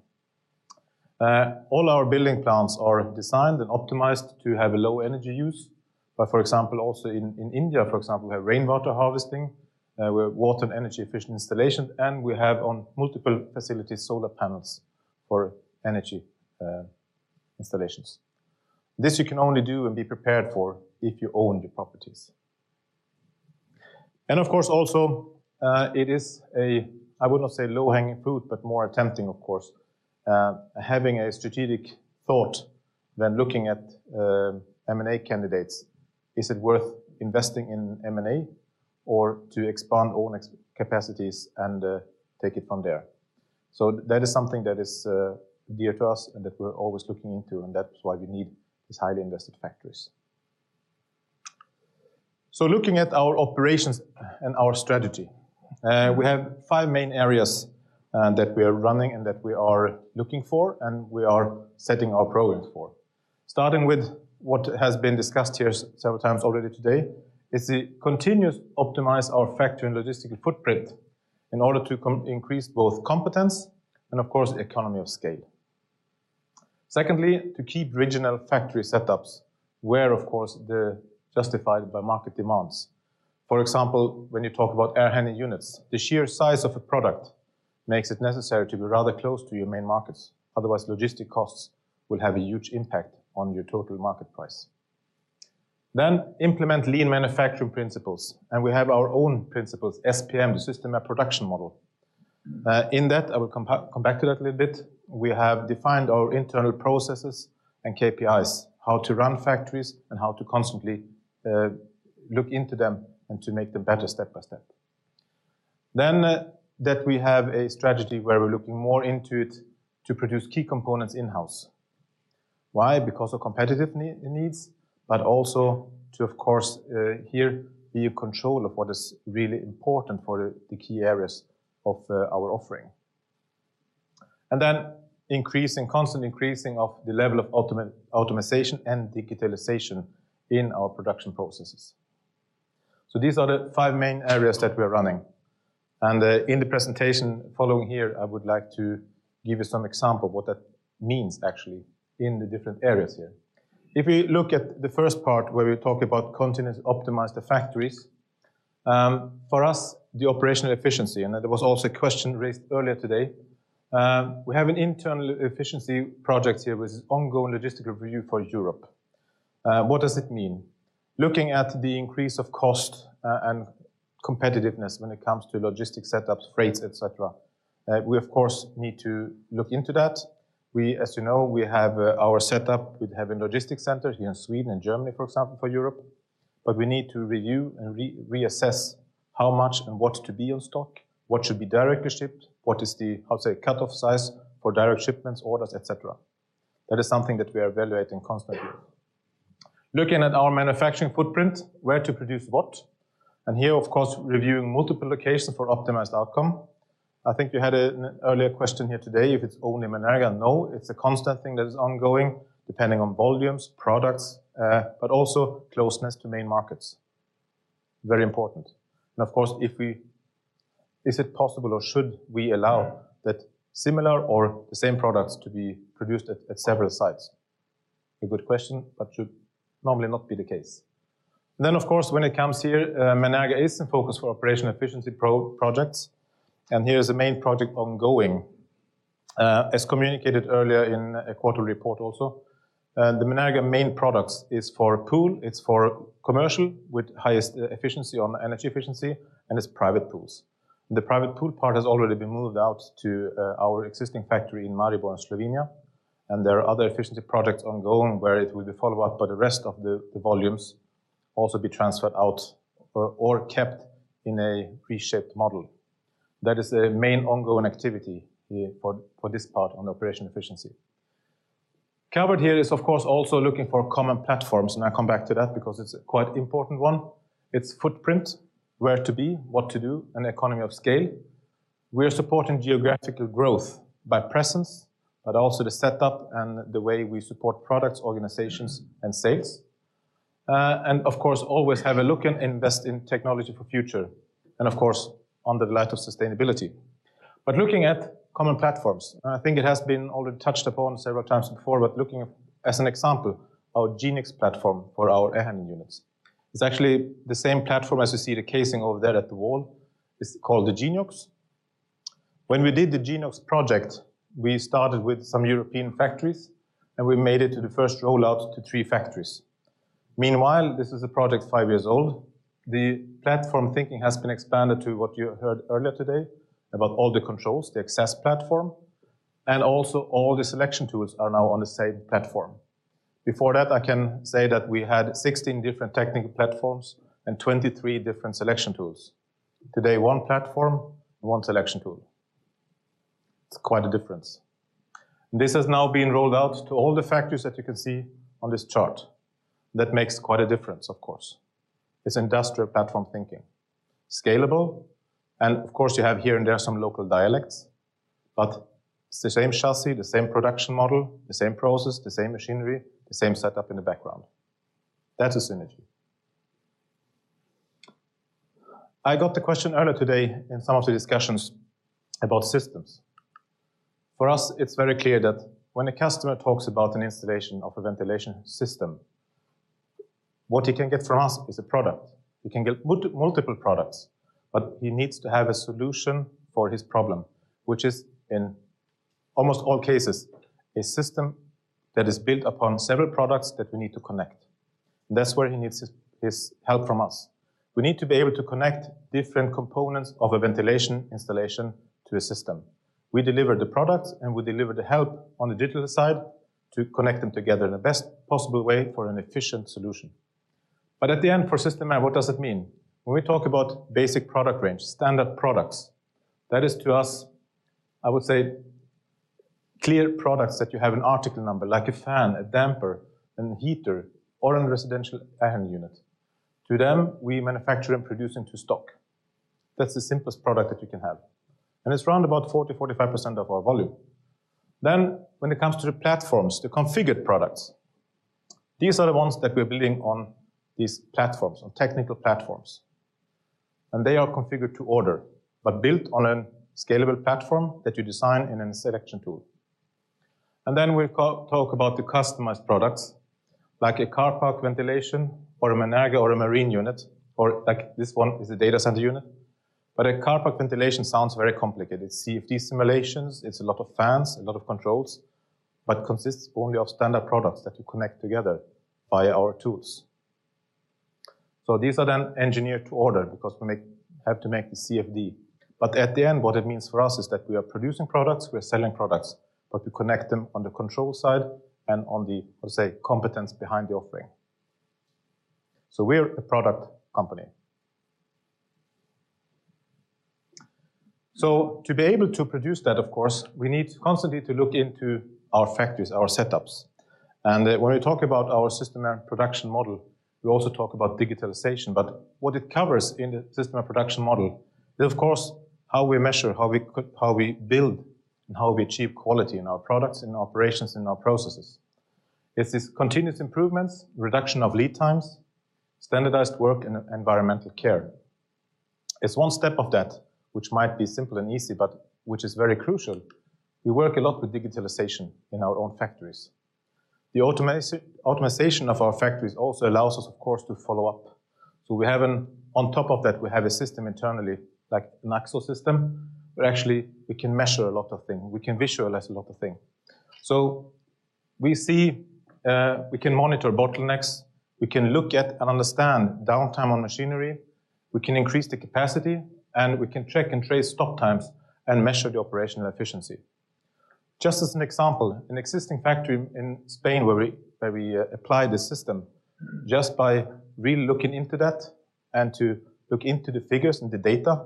All our building plants are designed and optimized to have a low energy use. For example, also in India, for example, we have rainwater harvesting, we have water and energy efficient installation, and we have on multiple facilities solar panels for energy installations. This you can only do and be prepared for if you own the properties. Of course, also, it is a, I would not say low-hanging fruit, but more tempting of course, having a strategic thought when looking at M&A candidates. Is it worth investing in M&A or to expand own capacities and take it from there? That is something that is dear to us and that we're always looking into, and that's why we need these highly invested factories. Looking at our operations and our strategy, we have five main areas that we are running and that we are looking for and we are setting our programs for. Starting with what has been discussed here several times already today, is to continuous optimize our factory and logistical footprint in order to increase both competence and of course, economy of scale. Secondly, to keep regional factory setups where, of course, they're justified by market demands. For example, when you talk about air handling units, the sheer size of a product makes it necessary to be rather close to your main markets, otherwise logistic costs will have a huge impact on your total market price. Implement lean manufacturing principles, and we have our own principles, SPM, the Systemair Production Model. In that, I will come back to that a little bit. We have defined our internal processes and KPIs, how to run factories and how to constantly look into them and to make them better step by step. We have a strategy where we're looking more into it to produce key components in-house. Why? Because of competitive needs, but also to, of course, here be in control of what is really important for the key areas of our offering. Increasing, constant increasing of the level of automatization and digitalization in our production processes. These are the five main areas that we are running. In the presentation following here, I would like to give you some example what that means actually in the different areas here. If we look at the first part where we talk about continuous optimize the factories, for us, the operational efficiency, and there was also a question raised earlier today, we have an internal efficiency project here with ongoing logistical review for Europe. What does it mean? Looking at the increase of cost, and competitiveness when it comes to logistic setups, freights, et cetera, we of course need to look into that. We, as you know, we have our setup. We have a logistics center here in Sweden and Germany, for example, for Europe, but we need to review and reassess how much and what to be on stock, what should be directly shipped, what is the, how to say, cutoff size for direct shipments, orders, et cetera. That is something that we are evaluating constantly. Looking at our manufacturing footprint, where to produce what, here, of course, reviewing multiple locations for optimized outcome. I think you had an earlier question here today, if it's only in Menerga. No, it's a constant thing that is ongoing, depending on volumes, products, but also closeness to main markets. Very important. Of course, is it possible or should we allow that similar or the same products to be produced at several sites? A good question, but should normally not be the case. Of course, when it comes here, Menerga is in focus for operational efficiency projects, and here is a main project ongoing. As communicated earlier in a quarterly report also, the Menerga main products is for pool, it's for commercial with highest efficiency on energy efficiency, and it's private pools. The private pool part has already been moved out to our existing factory in Maribor in Slovenia. There are other efficiency projects ongoing where it will be follow-up. The rest of the volumes also be transferred out or kept in a reshaped model. That is the main ongoing activity here for this part on operation efficiency. Covered here is of course also looking for common platforms, and I come back to that because it's a quite important one. It's footprint, where to be, what to do, and economy of scale. We're supporting geographical growth by presence, but also the setup and the way we support products, organizations, and sales. Of course, always have a look and invest in technology for future, and of course, under the light of sustainability. Looking at common platforms, and I think it has been already touched upon several times before, but looking at, as an example, our Geniox platform for our air handling units. It's actually the same platform as you see the casing over there at the wall. It's called the Geniox. When we did the Geniox project, we started with some European factories, and we made it to the first rollout to three factories. Meanwhile, this is a project five years old. The platform thinking has been expanded to what you heard earlier today about all the controls, the access platform, and also all the selection tools are now on the same platform. Before that, I can say that we had 16 different technical platforms and 23 different selection tools. Today, one platform, one selection tool. It's quite a difference. This has now been rolled out to all the factories that you can see on this chart. That makes quite a difference, of course. It's industrial platform thinking. Scalable, and of course, you have here and there some local dialects, but it's the same chassis, the same production model, the same process, the same machinery, the same setup in the background. That is synergy. I got the question earlier today in some of the discussions about systems. For us, it's very clear that when a customer talks about an installation of a ventilation system, what he can get from us is a product. He can get multiple products, but he needs to have a solution for his problem, which is in almost all cases, a system that is built upon several products that we need to connect. That's where he needs his help from us. We need to be able to connect different components of a ventilation installation to a system. We deliver the products, and we deliver the help on the digital side to connect them together in the best possible way for an efficient solution. At the end, for Systemair, what does it mean? When we talk about basic product range, standard products, that is to us, I would say, clear products that you have an article number, like a fan, a damper, a heater, or a residential air handling unit. To them, we manufacture and produce into stock. That's the simplest product that you can have. It's around about 40%-45% of our volume. When it comes to the platforms, the configured products, these are the ones that we're building on these platforms, on technical platforms. They are configured to order, but built on a scalable platform that you design in a selection tool. We talk about the customized products, like a car park ventilation or a Menerga or a marine unit, or like this one is a data center unit. A car park ventilation sounds very complicated. CFD simulations, it's a lot of fans, a lot of controls, but consists only of standard products that you connect together via our tools. These are then engineered to order because we have to make the CFD. At the end, what it means for us is that we are producing products, we are selling products, but we connect them on the control side and on the, say, competence behind the offering. We're a product company. To be able to produce that, of course, we need constantly to look into our factories, our setups. When we talk about our Systemair Production Model, we also talk about digitalization. What it covers in the Systemair Production Model is of course how we measure, how we build, and how we achieve quality in our products, in our operations, in our processes. It's this continuous improvements, reduction of lead times, standardized work, and environmental care. It's one step of that which might be simple and easy, but which is very crucial. We work a lot with digitalization in our own factories. The automatization of our factories also allows us of course to follow up. On top of that, we have a system internally, like an Axo system, where actually we can measure a lot of things. We can visualize a lot of things. We see, we can monitor bottlenecks. We can look at and understand downtime on machinery. We can increase the capacity, and we can check and trace stop times and measure the operational efficiency. Just as an example, an existing factory in Spain where we applied this system, just by re-looking into that and to look into the figures and the data,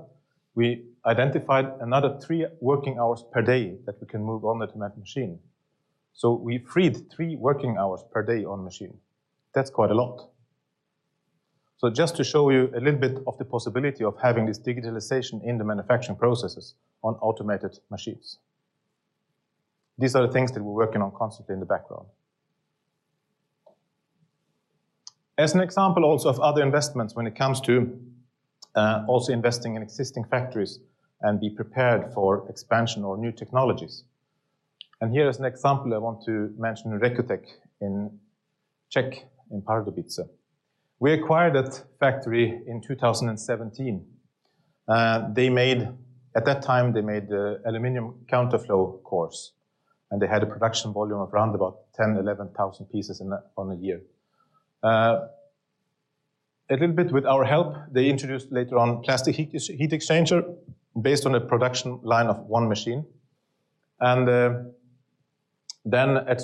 we identified another three working hours per day that we can move on that machine. We freed three working hours per day on machine. That's quite a lot. Just to show you a little bit of the possibility of having this digitalization in the manufacturing processes on automated machines. These are the things that we're working on constantly in the background. As an example also of other investments when it comes to, also investing in existing factories and be prepared for expansion or new technologies. Here is an example I want to mention, Recutech in Czech, in Pardubice. We acquired that factory in 2017. They made, at that time, they made the aluminum counterflow cores, and they had a production volume of around about 10,000-11,000 pieces in that, on a year. A little bit with our help, they introduced later on plastic heat exchanger based on a production line of one machine. At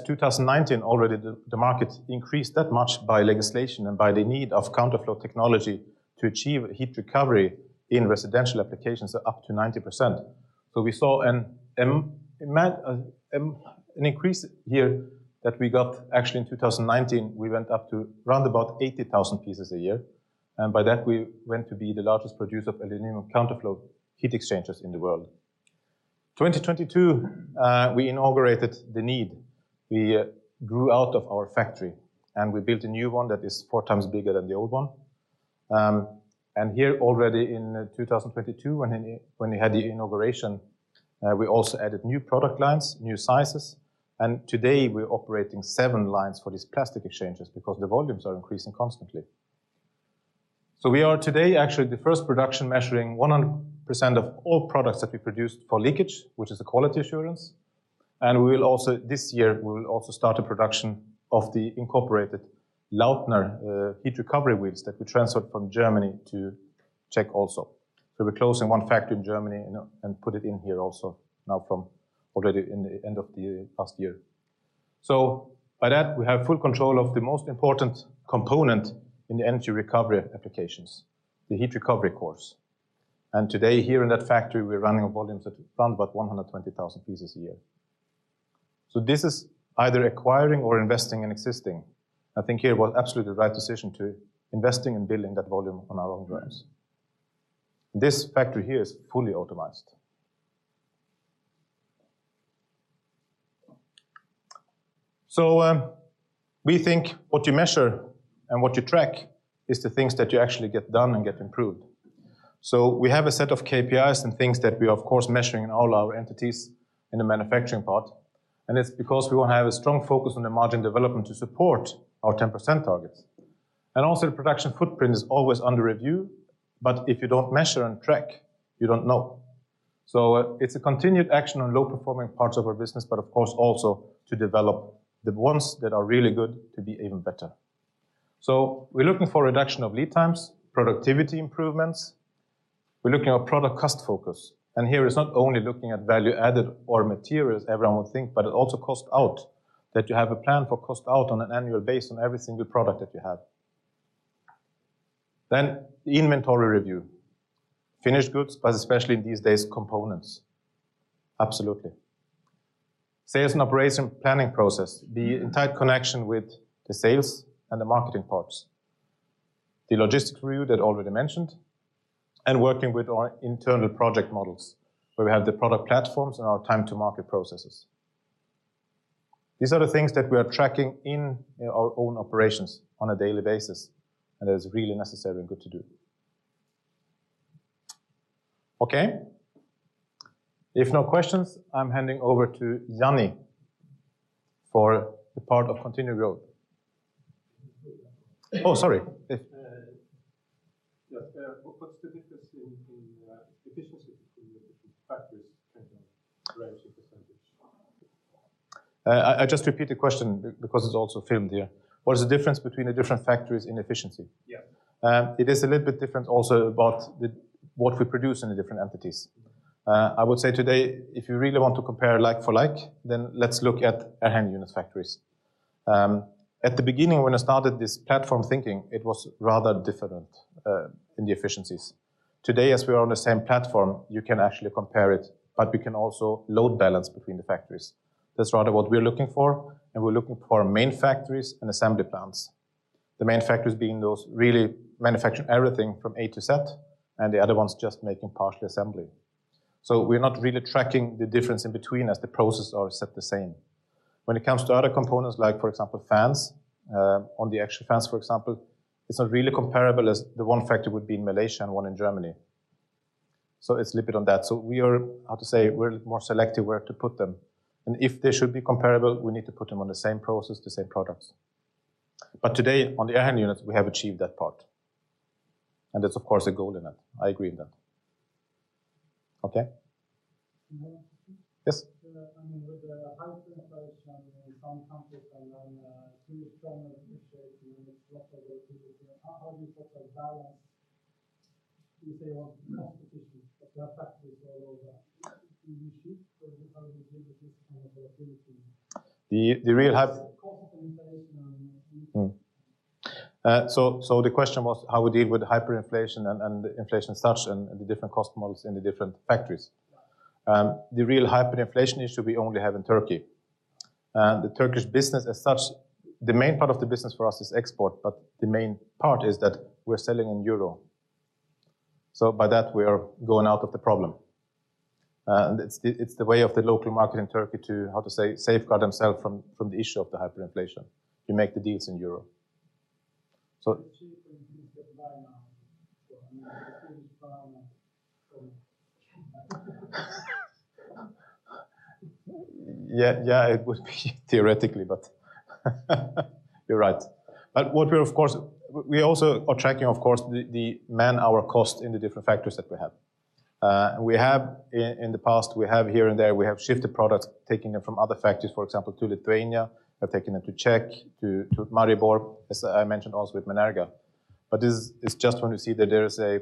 2019 already the market increased that much by legislation and by the need of counter flow technology to achieve heat recovery in residential applications up to 90%. We saw an increase here that we got actually in 2019, we went up to round about 80,000 pieces a year. By that we went to be the largest producer of aluminum counter flow heat exchangers in the world. 2022, we inaugurated the need. We grew out of our factory, and we built a new one that is four times bigger than the old one. Here already in 2022 when we had the inauguration, we also added new product lines, new sizes, and today we're operating seven lines for these plastic exchangers because the volumes are increasing constantly. We are today actually the first production measuring 100% of all products that we produce for leakage, which is a quality assurance. We will also, this year, we will also start a production of the incorporated Lautner heat recovery wheels that we transferred from Germany to Czech also. We're closing 1 factory in Germany and put it in here also now from already in the end of the past year. By that, we have full control of the most important component in the energy recovery applications, the heat recovery course. Today, here in that factory, we're running volumes at around about 120,000 pieces a year. This is either acquiring or investing in existing. I think here it was absolutely the right decision to investing and building that volume on our own grounds. This factory here is fully optimized. We think what you measure and what you track is the things that you actually get done and get improved. We have a set of KPIs and things that we are of course measuring in all our entities in the manufacturing part. It's because we want to have a strong focus on the margin development to support our 10% targets. Also the production footprint is always under review, but if you don't measure and track, you don't know. It's a continued action on low-performing parts of our business, but of course also to develop the ones that are really good to be even better. We're looking for reduction of lead times, productivity improvements. We're looking at product cost focus, and here it's not only looking at value added or materials everyone would think, but also cost out, that you have a plan for cost out on an annual base on every single product that you have. The inventory review. Finished goods, but especially in these days, components. Absolutely. Sales and operation planning process, the tight connection with the sales and the marketing parts. The logistics review that already mentioned, and working with our internal project models, where we have the product platforms and our time to market processes. These are the things that we are tracking in our own operations on a daily basis, and it's really necessary and good to do. Okay. If no questions, I'm handing over to Jani for the part of continued growth. Oh, sorry. If- Yes. What's the difference in efficiency between the different factories in terms of range of percentage? I just repeat the question because it's also filmed here. What is the difference between the different factories in efficiency? Yeah. It is a little bit different also about the, what we produce in the different entities. I would say today, if you really want to compare like for like, let's look at air handling unit factories. At the beginning, when I started this platform thinking, it was rather different in the efficiencies. Today, as we are on the same platform, you can actually compare it, but we can also load balance between the factories. That's rather what we're looking for, and we're looking for main factories and assembly plants. The main factories being those really manufacturing everything from A-Z, and the other ones just making partial assembly. We're not really tracking the difference in between as the process are set the same. When it comes to other components, like for example, fans, on the actual fans, for example, it's not really comparable as the one factory would be in Malaysia and one in Germany. It's a little bit on that. We are, how to say, we're more selective where to put them. If they should be comparable, we need to put them on the same process, the same products. Today, on the air handling units, we have achieved that part. There's of course a goal in it. I agree on that. Okay? One more question. Yes. I mean, with the hyperinflation in some countries and then Swedish krona appreciating and it's lots of volatility, how do you sort of balance, you say, on competition of your factories all over? Do you shift or how do you deal with this kind of volatility? The, the real hy- Cost of inflation on The question was how we deal with hyperinflation and inflation as such and the different cost models in the different factories. Yeah. The real hyperinflation issue we only have in Turkey. The Turkish business as such, the main part of the business for us is export, but the main part is that we're selling in euro. By that, we are going out of the problem. It's the way of the local market in Turkey to, how to say, safeguard themselves from the issue of the hyperinflation, to make the deals in euro. The cheaper things get to buy now. I mean, the Swedish krona from. Yeah, yeah, it would be theoretically, but you're right. What we're of course, we also are tracking of course the man-hour cost in the different factories that we have. We have in the past, we have here and there, we have shifted products, taking them from other factories, for example, to Lithuania, we have taken them to Czech, to Maribor, as I mentioned also with Menerga. This is just when you see that there is a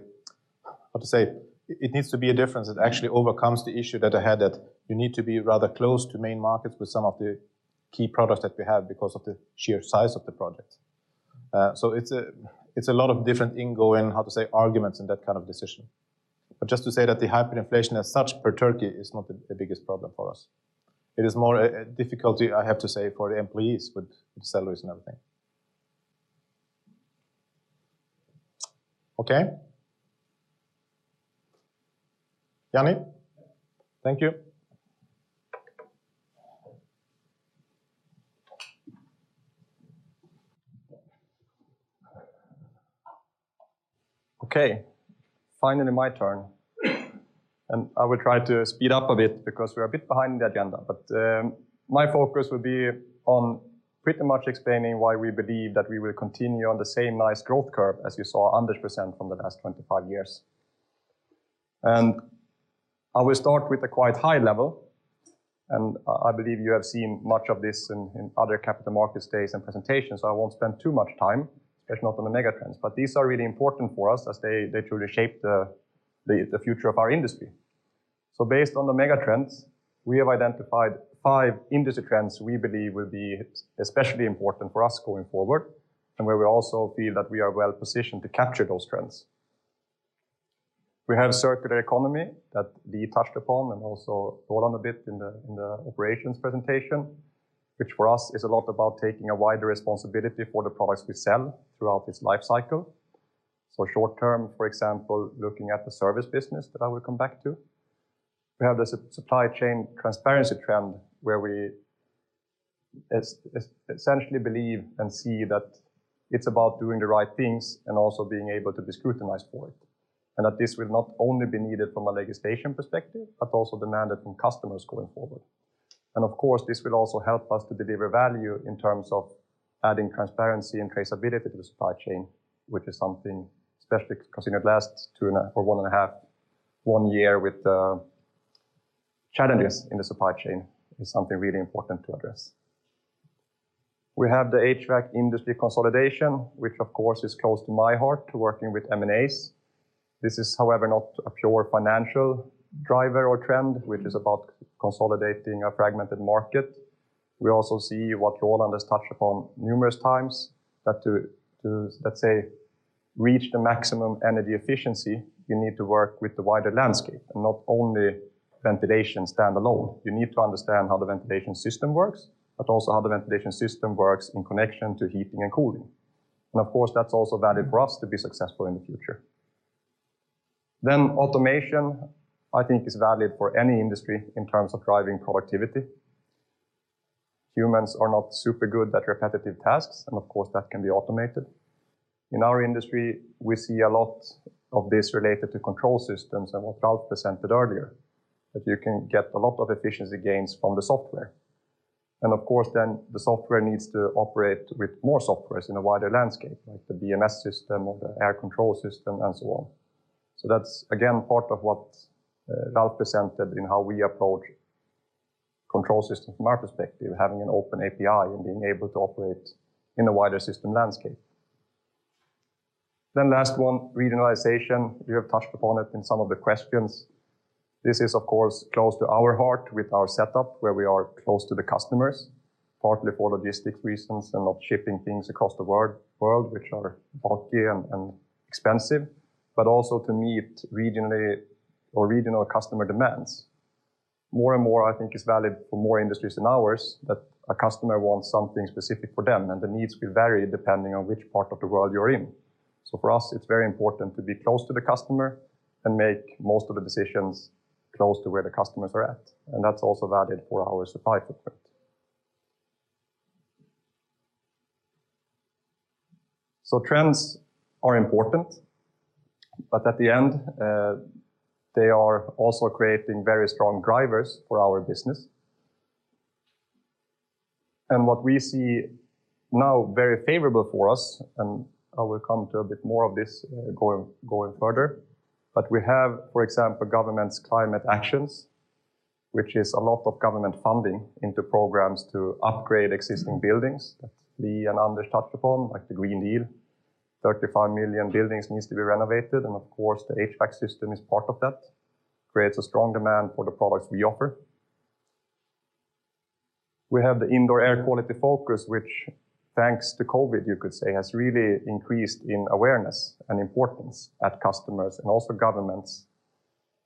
How to say, it needs to be a difference that actually overcomes the issue that I had that you need to be rather close to main markets with some of the key products that we have because of the sheer size of the project. It's a lot of different ingoing, how to say, arguments in that kind of decision. Just to say that the hyperinflation as such for Turkey is not the biggest problem for us. It is more a difficulty, I have to say, for the employees with salaries and everything. Okay. Janni? Thank you. Okay, finally my turn. I will try to speed up a bit because we're a bit behind the agenda. My focus will be on pretty much explaining why we believe that we will continue on the same nice growth curve as you saw, 100% from the last 25 years. I will start with a quite high level, and I believe you have seen much of this in other capital market stays and presentations, so I won't spend too much time, especially not on the mega trends, but these are really important for us as they truly shape the future of our industry. Based on the mega trends, we have identified five industry trends we believe will be especially important for us going forward, and where we also feel that we are well positioned to capture those trends. We have circular economy that Lee touched upon and also Roland a bit in the, in the operations presentation, which for us is a lot about taking a wider responsibility for the products we sell throughout its life cycle. Short term, for example, looking at the service business that I will come back to. We have the supply chain transparency trend, where we essentially believe and see that it's about doing the right things and also being able to be scrutinized for it. That this will not only be needed from a legislation perspective, but also demanded from customers going forward. Of course, this will also help us to deliver value in terms of adding transparency and traceability to the supply chain, which is something especially considering the last 2.5 or 1.5, one year with the challenges in the supply chain, is something really important to address. We have the HVAC industry consolidation, which of course is close to my heart to working with M&As. This is however not a pure financial driver or trend, which is about consolidating a fragmented market. We also see what Roland has touched upon numerous times that to, let's say, reach the maximum energy efficiency, you need to work with the wider landscape, and not only ventilation stand alone. You need to understand how the ventilation system works, but also how the ventilation system works in connection to heating and cooling. Of course, that's also valid for us to be successful in the future. Automation, I think is valid for any industry in terms of driving productivity. Humans are not super good at repetitive tasks, and of course, that can be automated. In our industry, we see a lot of this related to control systems and what Ralph presented earlier, that you can get a lot of efficiency gains from the software. Of course, then the software needs to operate with more softwares in a wider landscape, like the BMS system or the air control system and so on. That's again, part of what Ralph presented in how we approach control systems from our perspective, having an open API and being able to operate in a wider system landscape. Last one, regionalization. You have touched upon it in some of the questions. This is of course, close to our heart with our setup where we are close to the customers, partly for logistics reasons and not shipping things across the world, which are bulky and expensive, but also to meet regionally or regional customer demands. More and more, I think it's valid for more industries than ours that a customer wants something specific for them, and the needs will vary depending on which part of the world you're in. For us, it's very important to be close to the customer and make most of the decisions close to where the customers are at. That's also valid for our supply footprint. Trends are important, but at the end, they are also creating very strong drivers for our business. What we see now very favorable for us, I will come to a bit more of this going further. We have, for example, government's climate actions, which is a lot of government funding into programs to upgrade existing buildings that Lee and Anders touched upon, like the Green Deal. 35 million buildings need to be renovated, and of course, the HVAC system is part of that, creates a strong demand for the products we offer. We have the indoor air quality focus, which thanks to COVID, you could say, has really increased in awareness and importance at customers and also governments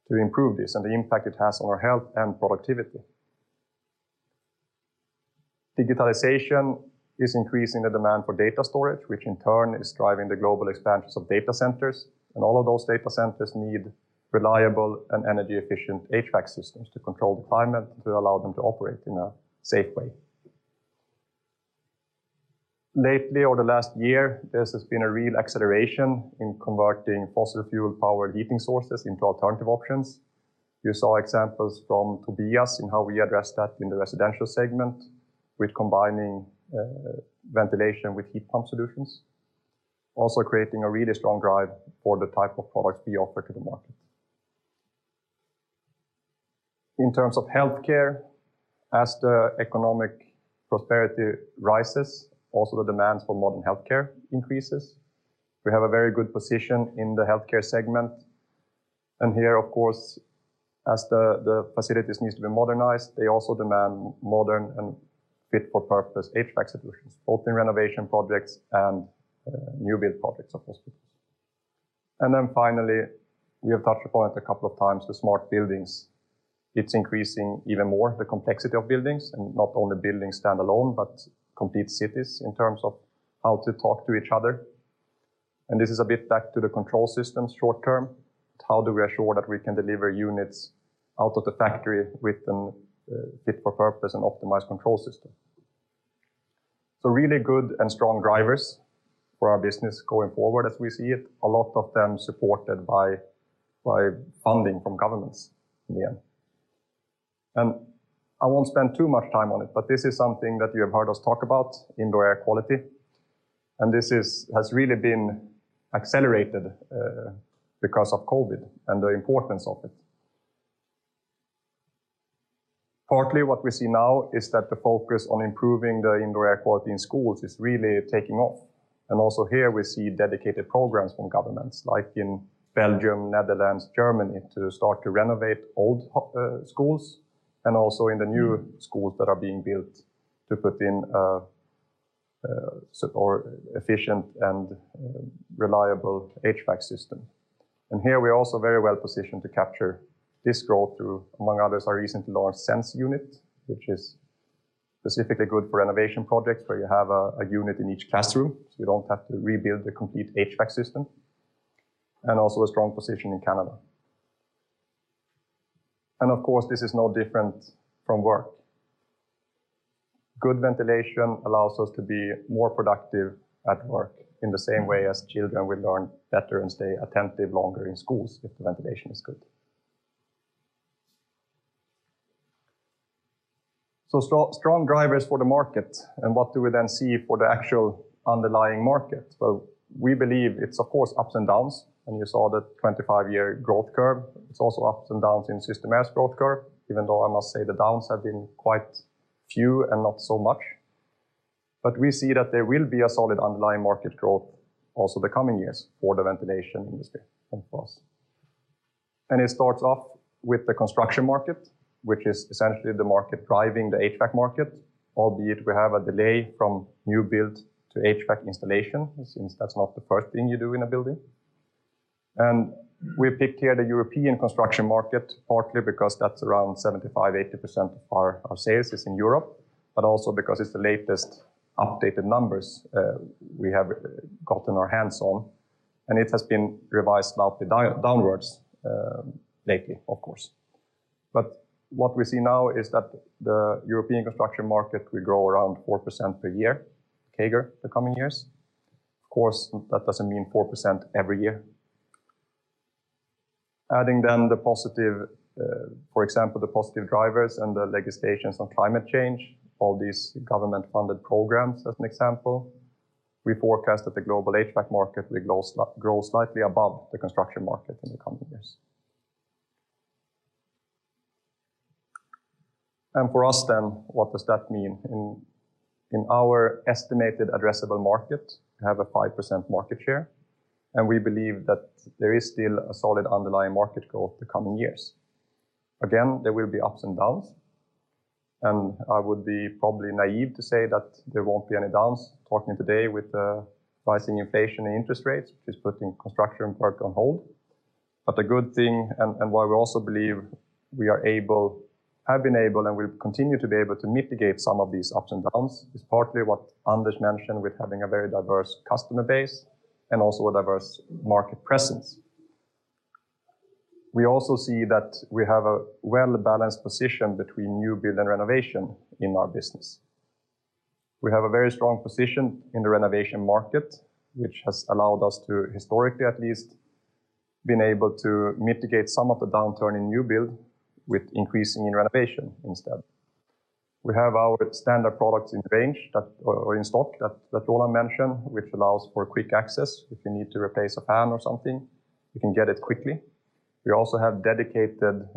to improve this and the impact it has on our health and productivity. Digitalization is increasing the demand for data storage, which in turn is driving the global expansions of data centers. All of those data centers need reliable and energy-efficient HVAC systems to control the climate, to allow them to operate in a safe way. Lately, over the last year, this has been a real acceleration in converting fossil fuel-powered heating sources into alternative options. You saw examples from Tobias in how we address that in the residential segment with combining ventilation with heat pump solutions, also creating a really strong drive for the type of products we offer to the market. In terms of healthcare, as the economic prosperity rises, also the demand for modern healthcare increases. We have a very good position in the healthcare segment. Here, of course, as the facilities needs to be modernized, they also demand modern and fit for purpose HVAC solutions, both in renovation projects and new build projects of hospitals. Finally, we have touched upon it a couple of times, the smart buildings. It's increasing even more the complexity of buildings and not only buildings standalone, but complete cities in terms of how to talk to each other. This is a bit back to the control systems short term. How do we ensure that we can deliver units out of the factory with a fit for purpose and optimized control system? Really good and strong drivers for our business going forward as we see it. A lot of them supported by funding from governments in the end. I won't spend too much time on it, but this is something that you have heard us talk about, indoor air quality. This has really been accelerated because of COVID and the importance of it. Partly what we see now is that the focus on improving the indoor air quality in schools is really taking off. Also here we see dedicated programs from governments like in Belgium, Netherlands, Germany to start to renovate old schools and also in the new schools that are being built to put in efficient and reliable HVAC system. Here we are also very well positioned to capture this growth through, among others, our recent Lautner Sense unit, which is specifically good for renovation projects where you have a unit in each classroom. You don't have to rebuild the complete HVAC system. Also a strong position in Canada. Of course, this is no different from work. Good ventilation allows us to be more productive at work in the same way as children will learn better and stay attentive longer in schools if the ventilation is good. Strong drivers for the market. What do we then see for the actual underlying market? Well, we believe it's, of course, ups and downs. You saw the 25-year growth curve. It's also ups and downs in Systemair's growth curve, even though I must say the downs have been quite few and not so much. We see that there will be a solid underlying market growth also the coming years for the ventilation industry, of course. It starts off with the construction market, which is essentially the market driving the HVAC market, albeit we have a delay from new build to HVAC installation, since that's not the first thing you do in a building. We picked here the European construction market, partly because that's around 75%-80% of our sales is in Europe, also because it's the latest updated numbers we have gotten our hands on. It has been revised slightly downwards lately, of course. What we see now is that the European construction market will grow around 4% per year, CAGR, the coming years. Of course, that doesn't mean 4% every year. Adding the positive, for example, the positive drivers and the legislations on climate change, all these government-funded programs, as an example, we forecast that the global HVAC market will grow slightly above the construction market in the coming years. For us then, what does that mean? In our estimated addressable market, we have a 5% market share. We believe that there is still a solid underlying market growth the coming years. Again, there will be ups and downs. I would be probably naive to say that there won't be any downs talking today with the rising inflation and interest rates, which is putting construction work on hold. The good thing, and why we also believe we are able, have been able, and will continue to be able to mitigate some of these ups and downs, is partly what Anders mentioned with having a very diverse customer base and also a diverse market presence. We also see that we have a well-balanced position between new build and renovation in our business. We have a very strong position in the renovation market, which has allowed us to historically at least been able to mitigate some of the downturn in new build with increasing in renovation instead. We have our standard products in range or in stock that Roland mentioned, which allows for quick access. If you need to replace a fan or something, you can get it quickly. We also have dedicated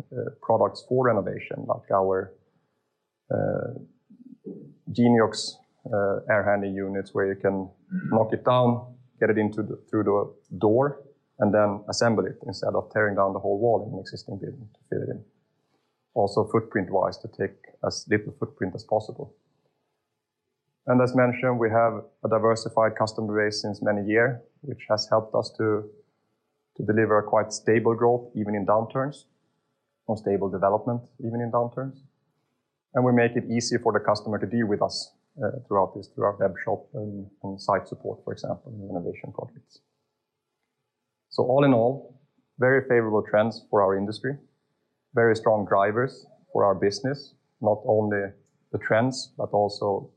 products for renovation, like our Geniox air handling units, where you can knock it down, get it through the door, and then assemble it instead of tearing down the whole wall in an existing building to fit it in. Also footprint-wise to take as little footprint as possible. As mentioned, we have a diversified customer base since many years, which has helped us to deliver quite stable growth even in downturns or stable development even in downturns. We make it easy for the customer to deal with us throughout this, through our web shop and site support, for example, in renovation projects. All in all, very favorable trends for our industry, very strong drivers for our business, not only the trends, but also,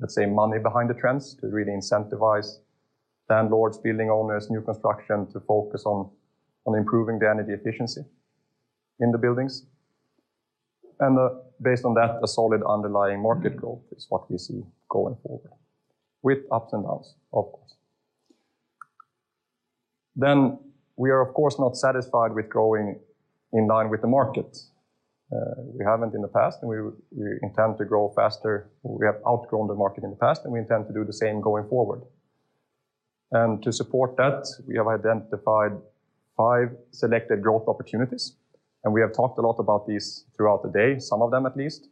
let's say, money behind the trends to really incentivize landlords, building owners, new construction to focus on improving the energy efficiency in the buildings. Based on that, a solid underlying market growth is what we see going forward with ups and downs, of course. We are of course not satisfied with growing in line with the market. We haven't in the past, and we intend to grow faster. We have outgrown the market in the past, and we intend to do the same going forward. To support that, we have identified five selected growth opportunities, and we have talked a lot about these throughout the day, some of them at least.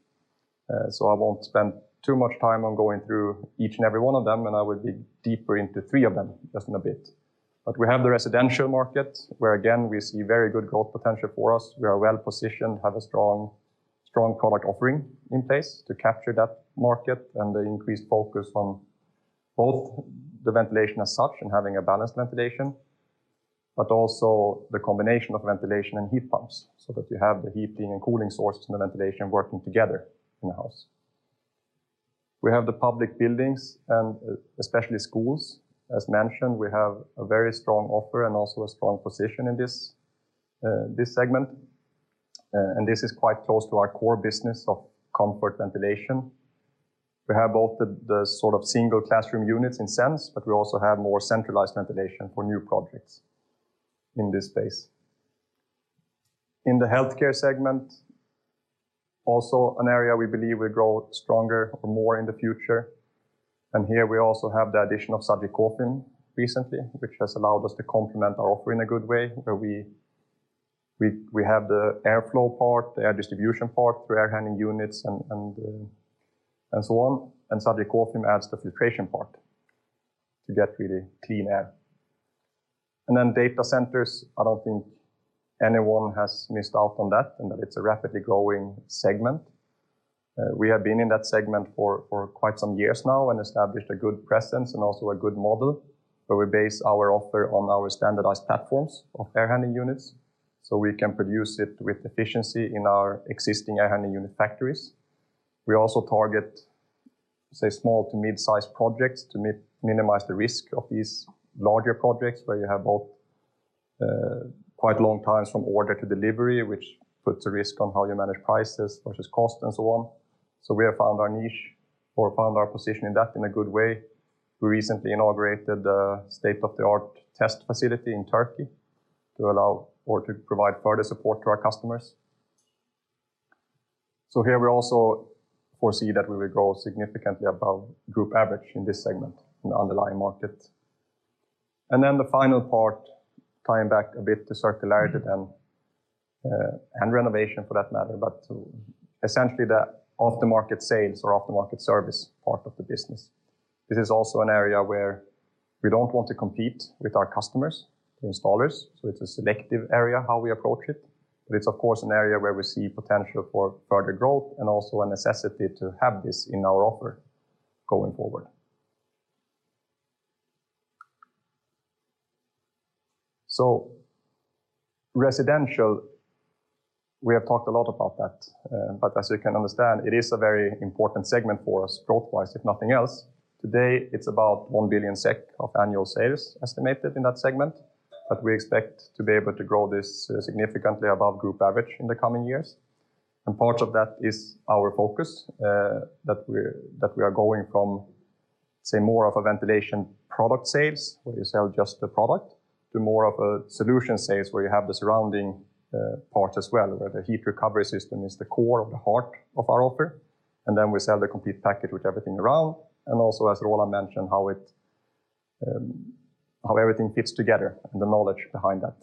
I won't spend too much time on going through each and every one of them, and I will dig deeper into 3 of them just in a bit. We have the residential market, where again, we see very good growth potential for us. We are well-positioned, have a strong product offering in place to capture that market and the increased focus on both the ventilation as such and having a balanced ventilation, but also the combination of ventilation and heat pumps, so that you have the heating and cooling sources and the ventilation working together in the house. We have the public buildings and especially schools. As mentioned, we have a very strong offer and also a strong position in this segment. This is quite close to our core business of comfort ventilation. We have both the sort of single classroom units in a sense, but we also have more centralized ventilation for new projects in this space. In the healthcare segment, also an area we believe will grow stronger or more in the future. Here we also have the addition of SagiCofim recently, which has allowed us to complement our offer in a good way, where we have the airflow part, the air distribution part through air handling units and so on. SagiCofim adds the filtration part to get really clean air. Data centers, I don't think anyone has missed out on that, and that it's a rapidly growing segment. We have been in that segment for quite some years now and established a good presence and also a good model, where we base our offer on our standardized platforms of air handling units, so we can produce it with efficiency in our existing air handling unit factories. We also target, say, small to mid-size projects to minimize the risk of these larger projects, where you have both, quite long times from order to delivery, which puts a risk on how you manage prices versus cost and so on. We have found our niche or found our position in that in a good way. We recently inaugurated a state-of-the-art test facility in Turkey to allow or to provide further support to our customers. Here we also foresee that we will grow significantly above group average in this segment, in the underlying market. The final part, tying back a bit to circularity then, and renovation for that matter, but essentially the after-market sales or after-market service part of the business. This is also an area where we don't want to compete with our customers, the installers, so it's a selective area how we approach it. It's of course an area where we see potential for further growth and also a necessity to have this in our offer going forward. Residential, we have talked a lot about that. But as you can understand, it is a very important segment for us, growth-wise, if nothing else. Today, it's about 1 billion SEK of annual sales estimated in that segment, but we expect to be able to grow this significantly above group average in the coming years. Part of that is our focus, that we are going from, say, more of a ventilation product sales, where you sell just the product, to more of a solution sales, where you have the surrounding part as well, where the heat recovery system is the core or the heart of our offer. We sell the complete package with everything around. Also, as Roland mentioned, how it, how everything fits together and the knowledge behind that.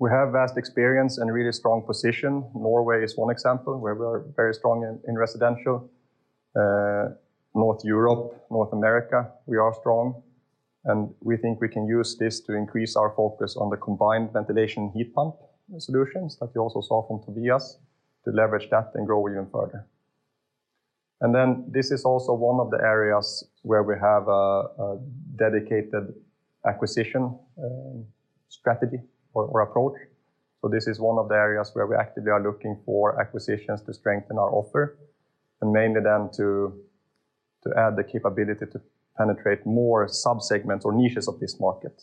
We have vast experience and a really strong position. Norway is one example where we are very strong in residential. North Europe, North America, we are strong. We think we can use this to increase our focus on the combined ventilation heat pump solutions that you also saw from Tobias to leverage that and grow even further. This is also one of the areas where we have a dedicated acquisition strategy or approach. This is one of the areas where we actively are looking for acquisitions to strengthen our offer and mainly then to add the capability to penetrate more sub-segments or niches of this market.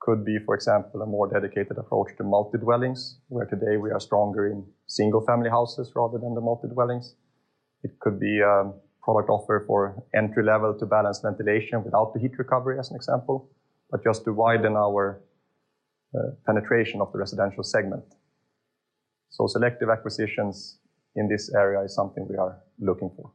Could be, for example, a more dedicated approach to multi-dwellings, where today we are stronger in single-family houses rather than the multi-dwellings. It could be a product offer for entry-level to balanced ventilation without the heat recovery, as an example, but just to widen our penetration of the residential segment. Selective acquisitions in this area is something we are looking for.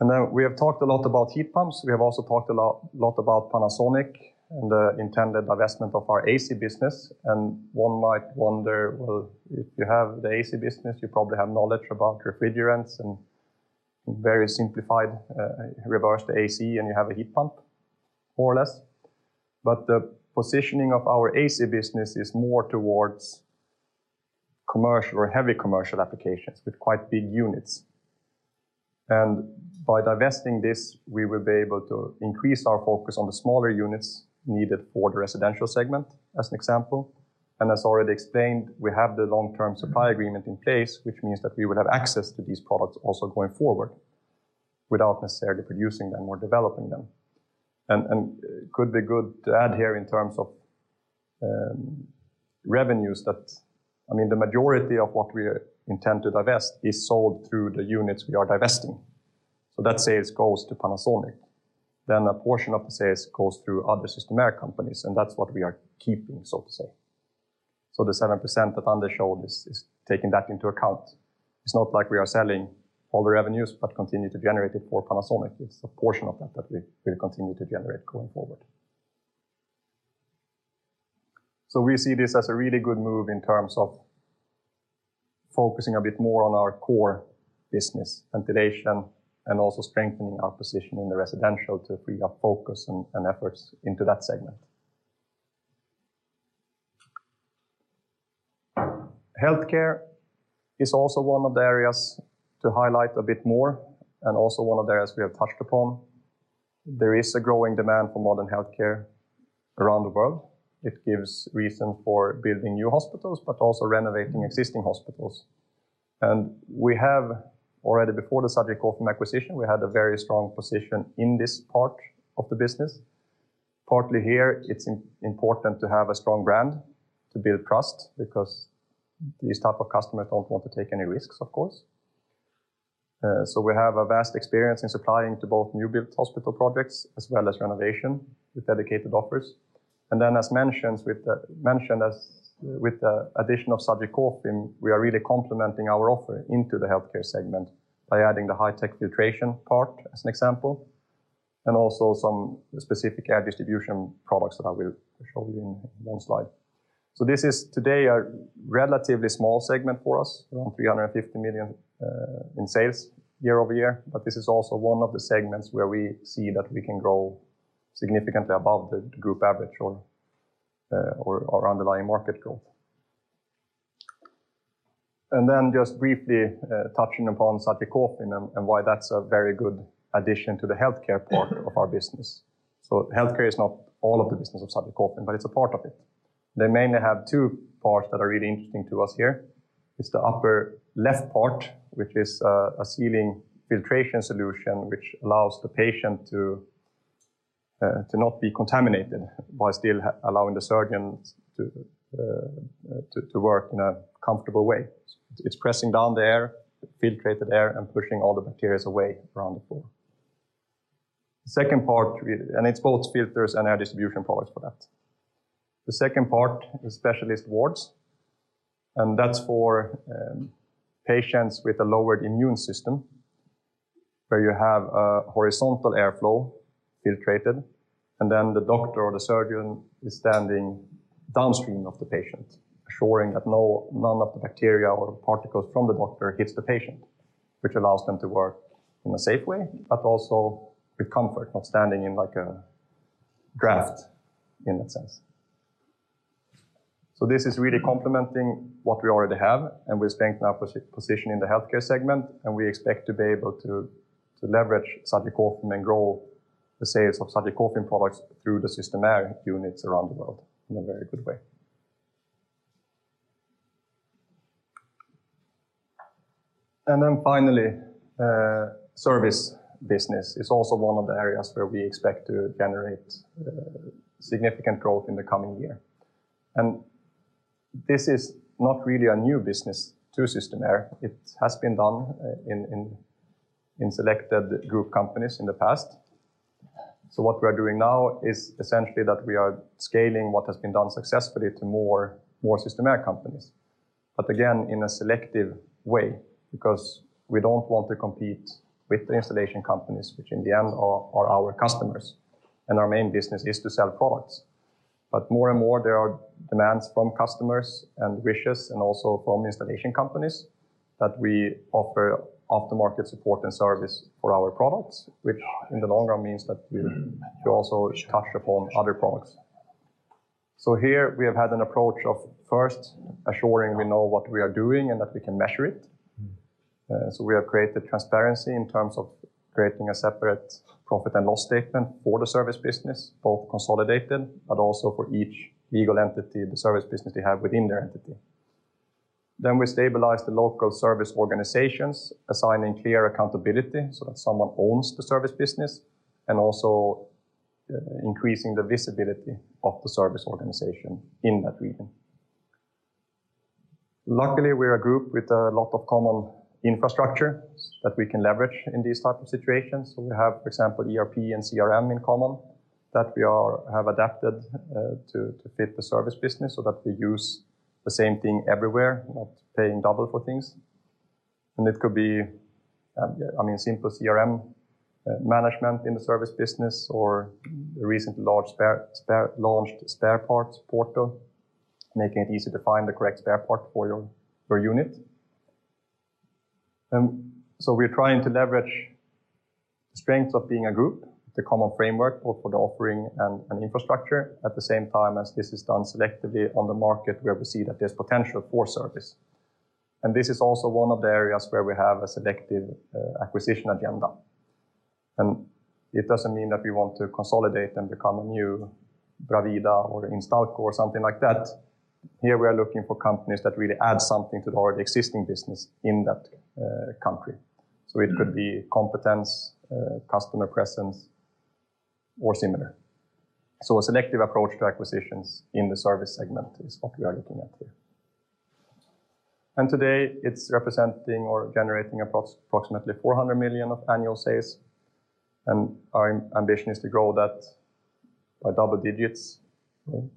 We have talked a lot about heat pumps. We have also talked a lot about Panasonic and the intended divestment of our AC business. One might wonder, well, if you have the AC business, you probably have knowledge about refrigerants and very simplified, reverse the AC, and you have a heat pump, more or less. The positioning of our AC business is more towards commercial or heavy commercial applications with quite big units. By divesting this, we will be able to increase our focus on the smaller units needed for the residential segment, as an example. As already explained, we have the long-term supply agreement in place, which means that we will have access to these products also going forward without necessarily producing them or developing them. Could be good to add here in terms of revenues that, I mean, the majority of what we intend to divest is sold through the units we are divesting. That sales goes to Panasonic. A portion of the sales goes through other Systemair companies, and that's what we are keeping, so to say. The 7% that Anders showed is taking that into account. It's not like we are selling all the revenues but continue to generate it for Panasonic. It's a portion of that that we will continue to generate going forward. We see this as a really good move in terms of focusing a bit more on our core business, ventilation, and also strengthening our position in the residential to free up focus and efforts into that segment. Healthcare is also one of the areas to highlight a bit more, and also one of the areas we have touched upon. There is a growing demand for modern healthcare around the world. It gives reason for building new hospitals, but also renovating existing hospitals. We have already, before the Subject Coffee acquisition, we had a very strong position in this part of the business. Partly here, it's important to have a strong brand to build trust because these type of customers don't want to take any risks, of course. We have a vast experience in supplying to both new-built hospital projects as well as renovation with dedicated offers. Then as mentioned as with the addition of Subject Coffee, we are really complementing our offer into the healthcare segment by adding the high-tech filtration part, as an example, and also some specific air distribution products that I will show you in one slide. This is today a relatively small segment for us, around 350 million in sales year-over-year, but this is also one of the segments where we see that we can grow significantly above the group average or underlying market growth. Just briefly touching upon SagiCofim and why that's a very good addition to the healthcare part of our business. Healthcare is not all of the business of SagiCofim, but it's a part of it. They mainly have two parts that are really interesting to us here. It's the upper left part, which is a ceiling filtration solution which allows the patient to not be contaminated while still allowing the surgeon to work in a comfortable way. It's pressing down the air, the filtrated air, pushing all the materials away from the floor. The second part is specialist wards, that's for patients with a lowered immune system, where you have a horizontal airflow filtrated. Then the doctor or the surgeon is standing downstream of the patient, assuring that no, none of the bacteria or particles from the doctor hits the patient, which allows them to work in a safe way, also with comfort, not standing in like a draft, in that sense. This is really complementing what we already have, we strengthen our position in the healthcare segment, we expect to be able to leverage SagiCofim and grow the sales of SagiCofim products through the Systemair units around the world in a very good way. Finally, service business is also one of the areas where we expect to generate significant growth in the coming year. This is not really a new business to Systemair. It has been done in selected group companies in the past. What we are doing now is essentially that we are scaling what has been done successfully to more Systemair companies. Again, in a selective way, because we don't want to compete with the installation companies, which in the end are our customers. Our main business is to sell products. More and more, there are demands from customers and wishes, and also from installation companies, that we offer after-market support and service for our products, which in the long run means that we also touch upon other products. Here we have had an approach of first assuring we know what we are doing and that we can measure it. We have created transparency in terms of creating a separate profit and loss statement for the service business, both consolidated, but also for each legal entity, the service business they have within their entity. We stabilize the local service organizations, assigning clear accountability so that someone owns the service business, and also increasing the visibility of the service organization in that region. Luckily, we're a group with a lot of common infrastructure that we can leverage in these type of situations. We have, for example, ERP and CRM in common that we have adapted to fit the service business so that we use the same thing everywhere, not paying double for things. It could be, I mean, simple CRM management in the service business or recently launched spare parts portal, making it easy to find the correct spare part for your unit. We're trying to leverage the strengths of being a group, the common framework, both for the offering and infrastructure, at the same time as this is done selectively on the market where we see that there's potential for service. This is also one of the areas where we have a selective acquisition agenda. It doesn't mean that we want to consolidate and become a new Bravida or Instalco or something like that. Here we are looking for companies that really add something to our existing business in that country. It could be competence, customer presence, or similar. A selective approach to acquisitions in the service segment is what we are looking at here. Today, it's representing or generating approximately 400 million of annual sales, and our ambition is to grow that by double-digits,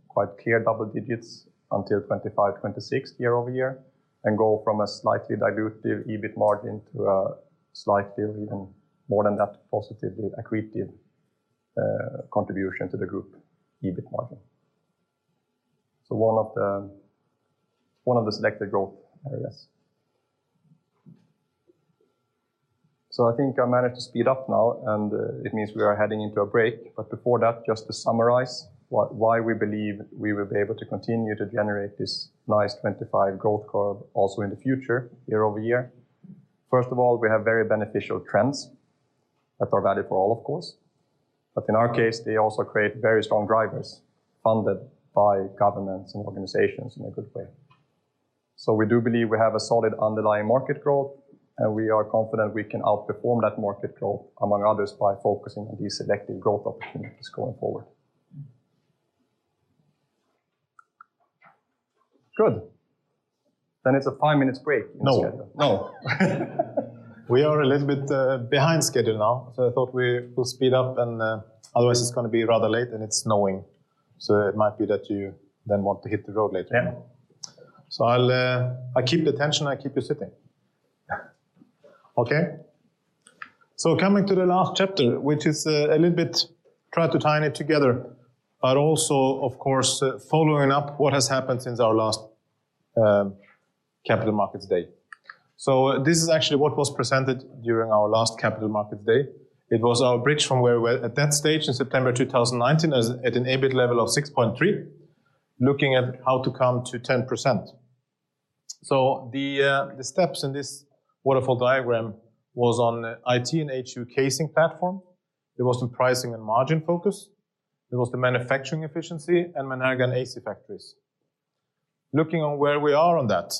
quite clear double-digits, until 2025, 2026 year-over-year, and go from a slightly dilutive EBIT margin to a slightly, even more than that, positively accretive contribution to the group EBIT margin. One of the selective growth areas. I think I managed to speed up now. It means we are heading into a break. Before that, just to summarize why we believe we will be able to continue to generate this nice 25 growth curve also in the future, year-over-year. First of all, we have very beneficial trends that are valid for all of course. In our case, they also create very strong drivers funded by governments and organizations in a good way. We do believe we have a solid underlying market growth. We are confident we can outperform that market growth among others by focusing on these selective growth opportunities going forward. Good. It's a five minutes break in the schedule. No. No. We are a little bit behind schedule now. I thought we will speed up. Otherwise it's gonna be rather late. It's snowing. It might be that you then want to hit the road later. Yeah. I keep the tension, I keep you sitting. Yeah. Okay? Coming to the last chapter, which is a little bit try to tying it together, but also of course, following up what has happened since our last capital markets day. This is actually what was presented during our last capital markets day. It was our bridge from where we were at that stage in September 2019 as at an EBIT level of 6.3%, looking at how to come to 10%. The steps in this wonderful diagram was on IT and AHU casing platform. There was some pricing and margin focus. There was the manufacturing efficiency at Menerga AC factories. Looking on where we are on that.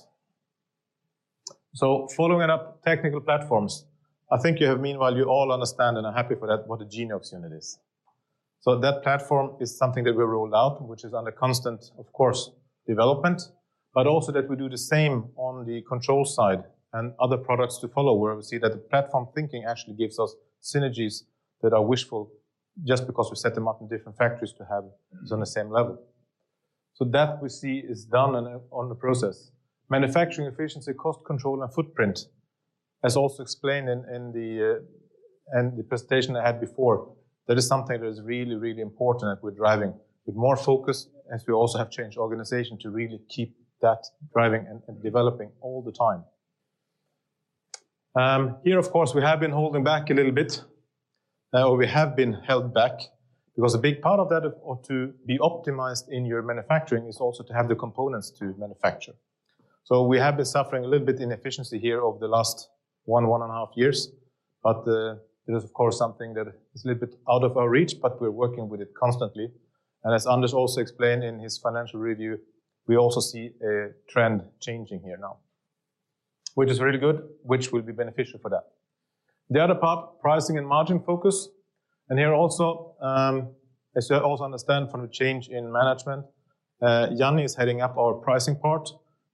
Following it up, technical platforms. I think you have meanwhile you all understand, and I'm happy for that, what a Geniox unit is. That platform is something that we rolled out, which is under constant, of course, development, but also that we do the same on the control side and other products to follow, where we see that the platform thinking actually gives us synergies that are wishful just because we set them up in different factories to have it on the same level. That we see is done on the process. Manufacturing efficiency, cost control, and footprint, as also explained in the presentation I had before. That is something that is really important that we're driving. With more focus, as we also have changed organization to really keep that driving and developing all the time. Here, of course, we have been holding back a little bit, or we have been held back because a big part of that or to be optimized in your manufacturing is also to have the components to manufacture. We have been suffering a little bit in efficiency here over the last one and a half years, but it is of course something that is a little bit out of our reach, but we're working with it constantly. As Anders also explained in his financial review, we also see a trend changing here now, which is really good, which will be beneficial for that. The other part, pricing and margin focus. Here also, as you also understand from the change in management, Janni is heading up our pricing part,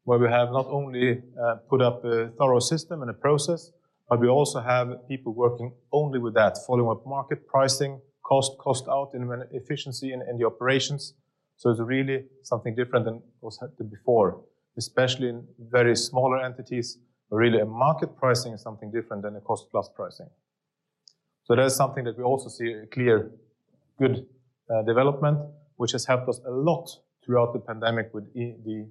where we have not only put up a thorough system and a process, but we also have people working only with that, following up market pricing, cost out in efficiency in the operations. It's really something different than it was before, especially in very smaller entities, but really a market pricing is something different than a cost-plus pricing. That is something that we also see a clear good development, which has helped us a lot throughout the pandemic with the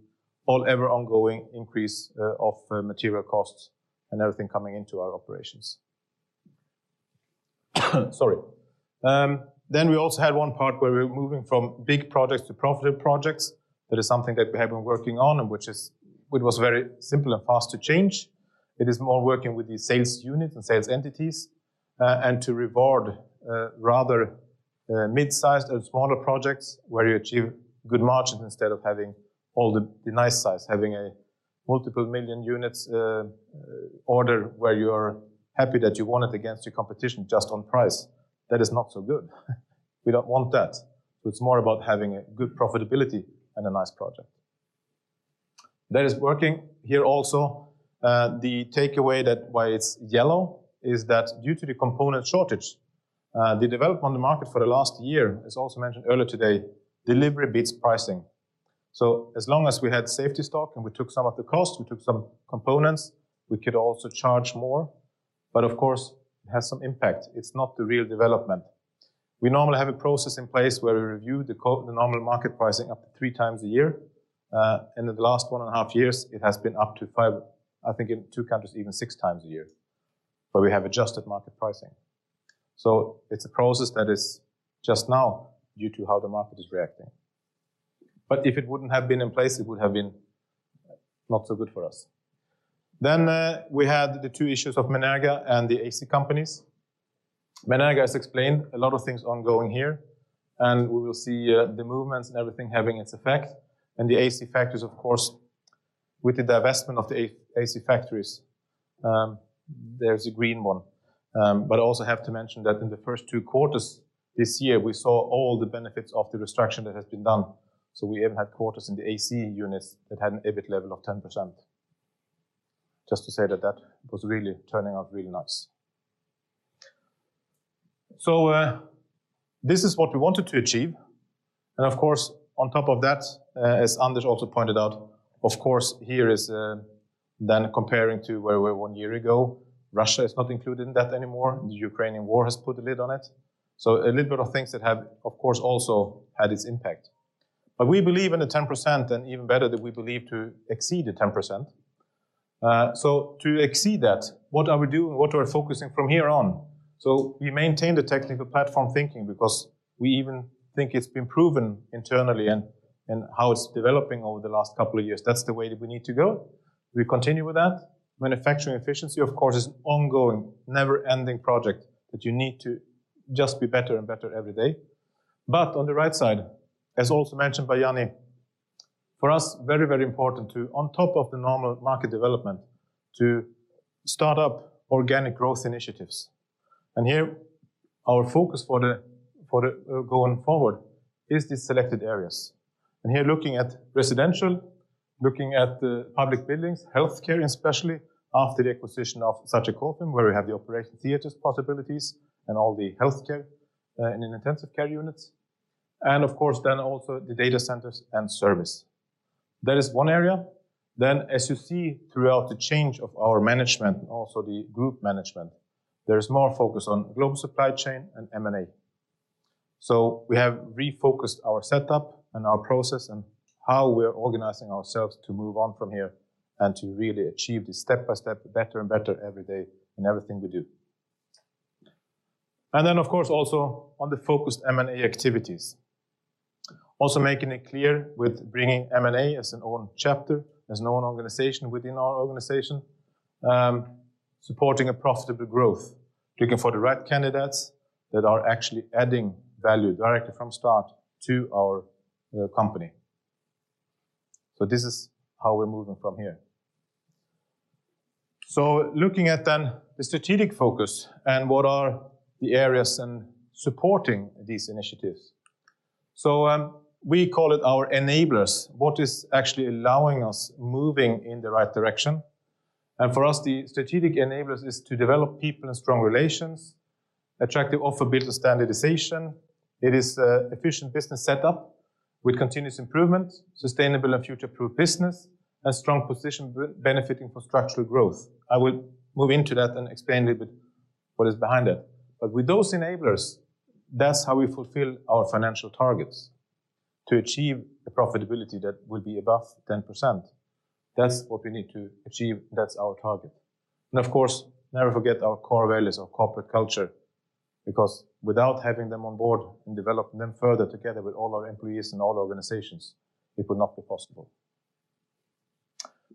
forever ongoing increase of material costs and everything coming into our operations. Sorry. We also had one part where we were moving from big projects to profitable projects. That is something that we have been working on. It was very simple and fast to change. It is more working with the sales units and sales entities and to reward rather mid-sized or smaller projects where you achieve good margins instead of having all the nice size, having a multiple million units order where you're happy that you won it against your competition just on price. That is not so good. We don't want that. It's more about having a good profitability and a nice project. That is working here also. The takeaway that why it's yellow is that due to the component shortage, the development on the market for the last year, as also mentioned earlier today, delivery beats pricing. As long as we had safety stock, and we took some of the cost, we took some components, we could also charge more. Of course, it has some impact. It's not the real development. We normally have a process in place where we review the normal market pricing up to three times a year. In the last 1.5 years, it has been up to five, I think in two countries, even six times a year, where we have adjusted market pricing. It's a process that is just now due to how the market is reacting. If it wouldn't have been in place, it would have been not so good for us. We had the two issues of Menerga and the AC companies. Menerga has explained a lot of things ongoing here, we will see the movements and everything having its effect. The AC factors, of course, with the divestment of the A-AC factories, there's a green one. I also have to mention that in the first two quarters this year, we saw all the benefits of the restriction that has been done. We even had quarters in the AC units that had an EBIT level of 10%. Just to say that that was really turning out really nice. This is what we wanted to achieve. Of course, on top of that, as Anders also pointed out, of course, here is then comparing to where we were one year ago. Russia is not included in that anymore. The Ukrainian war has put a lid on it. A little bit of things that have, of course, also had its impact. We believe in the 10% and even better that we believe to exceed the 10%. To exceed that, what are we doing? What are we focusing from here on? We maintain the technical platform thinking because we even think it's been proven internally and how it's developing over the last couple of years. That's the way that we need to go. We continue with that. Manufacturing efficiency, of course, is ongoing, never-ending project that you need to just be better and better every day. On the right side, as also mentioned by Janni, for us, very, very important to, on top of the normal market development, to start up organic growth initiatives. Here, our focus for the, for the going forward is the selected areas. Here, looking at residential, looking at the public buildings, healthcare, especially after the acquisition of SagiCofim, where we have the operation theaters possibilities and all the healthcare and intensive care units, and of course, then also the data centers and service. That is one area. Then, as you see throughout the change of our management, also the Group Management, there is more focus on Global Supply Chain and M&A. We have refocused our setup and our process and how we're organizing ourselves to move on from here and to really achieve this step-by-step, better and better every day in everything we do. Then, of course, also on the focused M&A activities. Making it clear with bringing M&A as an own chapter, as an own organization within our organization, supporting a profitable growth, looking for the right candidates that are actually adding value directly from start to our company. This is how we're moving from here. Looking at the strategic focus and what are the areas in supporting these initiatives. We call it our enablers, what is actually allowing us moving in the right direction. For us, the strategic enablers is to develop people and strong relations, attractive offer built on standardization. It is efficient business setup with continuous improvement, sustainable and future-proof business, a strong position benefiting for structural growth. I will move into that and explain a little bit what is behind it. With those enablers, that's how we fulfill our financial targets to achieve the profitability that will be above 10%. That's what we need to achieve. That's our target. Of course, never forget our core values, our corporate culture, because without having them on board and developing them further together with all our employees and all organizations, it would not be possible.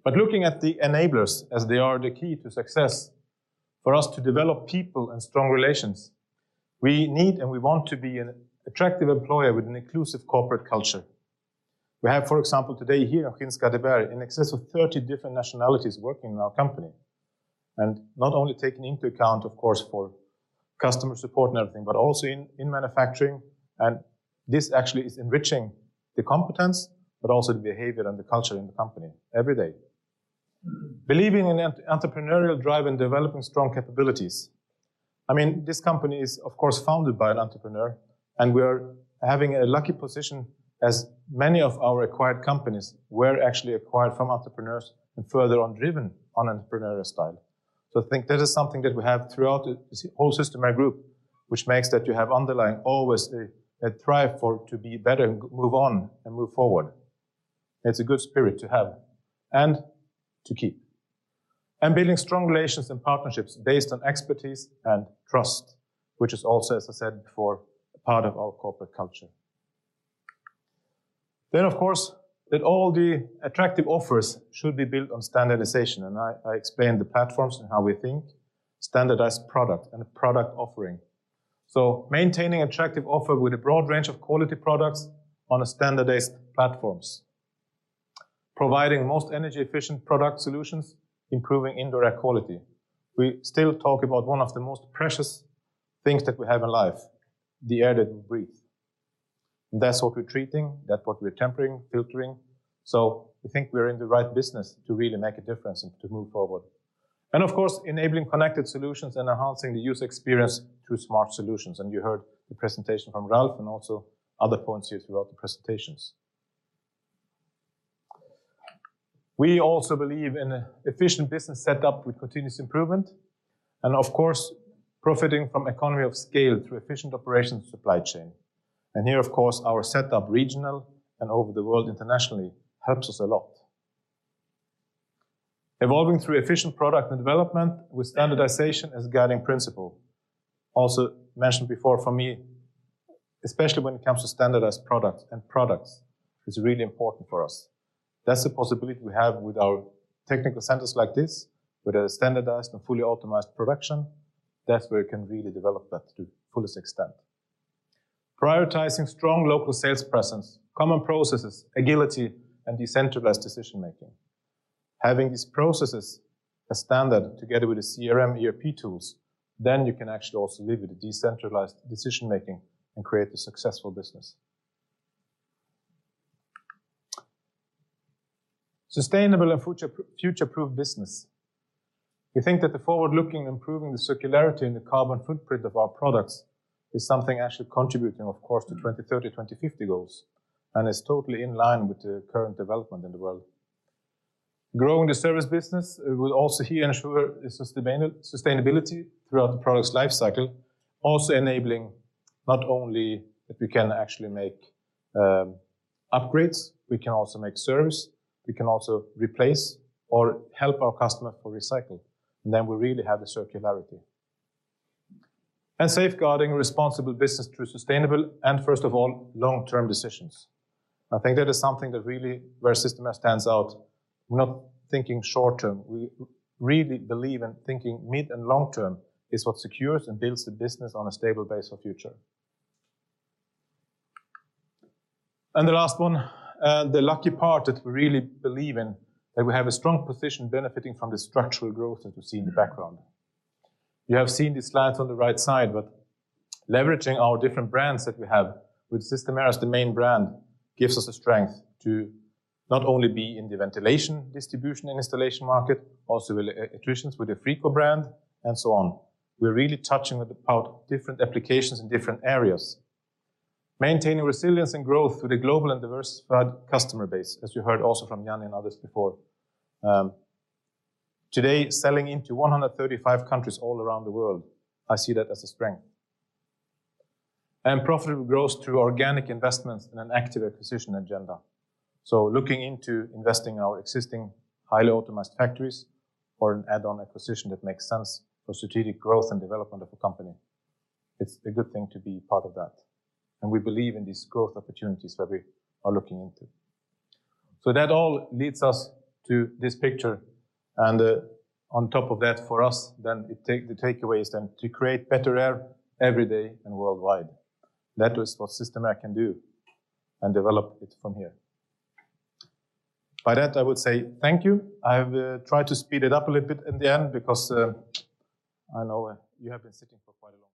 Looking at the enablers as they are the key to success for us to develop people and strong relations, we need and we want to be an attractive employer with an inclusive corporate culture. We have, for example, today here in Skinnskatteberg, in excess of 30 different nationalities working in our company, and not only taking into account, of course, for customer support and everything, but also in manufacturing. This actually is enriching the competence, but also the behavior and the culture in the company every day. Believing in entrepreneurial drive and developing strong capabilities. I mean, this company is, of course, founded by an entrepreneur, and we are having a lucky position as many of our acquired companies were actually acquired from entrepreneurs and further on driven on entrepreneurial style. I think that is something that we have throughout the whole Systemair Group, which makes that you have underlying always a thrive for to be better and move on and move forward. It's a good spirit to have and to keep. Building strong relations and partnerships based on expertise and trust, which is also, as I said before, part of our corporate culture. Of course, that all the attractive offers should be built on standardization. I explained the platforms and how we think standardized product and product offering. Maintaining attractive offer with a broad range of quality products on a standardized platforms, providing most energy efficient product solutions, improving indoor air quality. We still talk about one of the most precious things that we have in life, the air that we breathe. That's what we're treating, that what we're tempering, filtering. We think we're in the right business to really make a difference and to move forward. Of course, enabling connected solutions and enhancing the user experience through smart solutions. You heard the presentation from Ralph and also other points here throughout the presentations. We also believe in efficient business set up with continuous improvement, and of course, profiting from economy of scale through efficient operations supply chain. Here, of course, our set up regional and over the world internationally helps us a lot. Evolving through efficient product and development with standardization as a guiding principle. Also mentioned before, for me, especially when it comes to standardized products is really important for us. That's the possibility we have with our technical centers like this, with a standardized and fully optimized production. That's where we can really develop that to fullest extent. Prioritizing strong local sales presence, common processes, agility, and decentralized decision-making. Having these processes as standard together with the CRM, ERP tools, then you can actually also live with the decentralized decision-making and create a successful business. Sustainable and future-proof business. We think that the forward-looking, improving the circularity and the carbon footprint of our products is something actually contributing, of course, to 2030, 2050 goals, is totally in line with the current development in the world. Growing the service business will also here ensure sustainability throughout the product's life cycle, also enabling not only that we can actually make upgrades, we can also make service, we can also replace or help our customer for recycle. Then we really have the circularity. Safeguarding responsible business through sustainable and, first of all, long-term decisions. I think that is something that really, where Systemair stands out. We're not thinking short term. We really believe in thinking mid and long term is what secures and builds the business on a stable base for future. The last one, the lucky part that we really believe in, that we have a strong position benefiting from the structural growth that you see in the background. You have seen the slides on the right side, but leveraging our different brands that we have with Systemair as the main brand gives us a strength to not only be in the ventilation distribution and installation market, also with, attritions with the Frico brand, and so on. We're really touching about different applications in different areas. Maintaining resilience and growth through the global and diversified customer base, as you heard also from Jan and others before. Today, selling into 135 countries all around the world, I see that as a strength. Profitable growth through organic investments and an active acquisition agenda. Looking into investing in our existing highly optimized factories or an add-on acquisition that makes sense for strategic growth and development of a company, it's a good thing to be part of that. We believe in these growth opportunities that we are looking into. That all leads us to this picture, and on top of that for us, the takeaway is then to create better air every day and worldwide. That is what Systemair can do and develop it from here. By that, I would say thank you. I've tried to speed it up a little bit in the end because I know you have been sitting for quite a long time.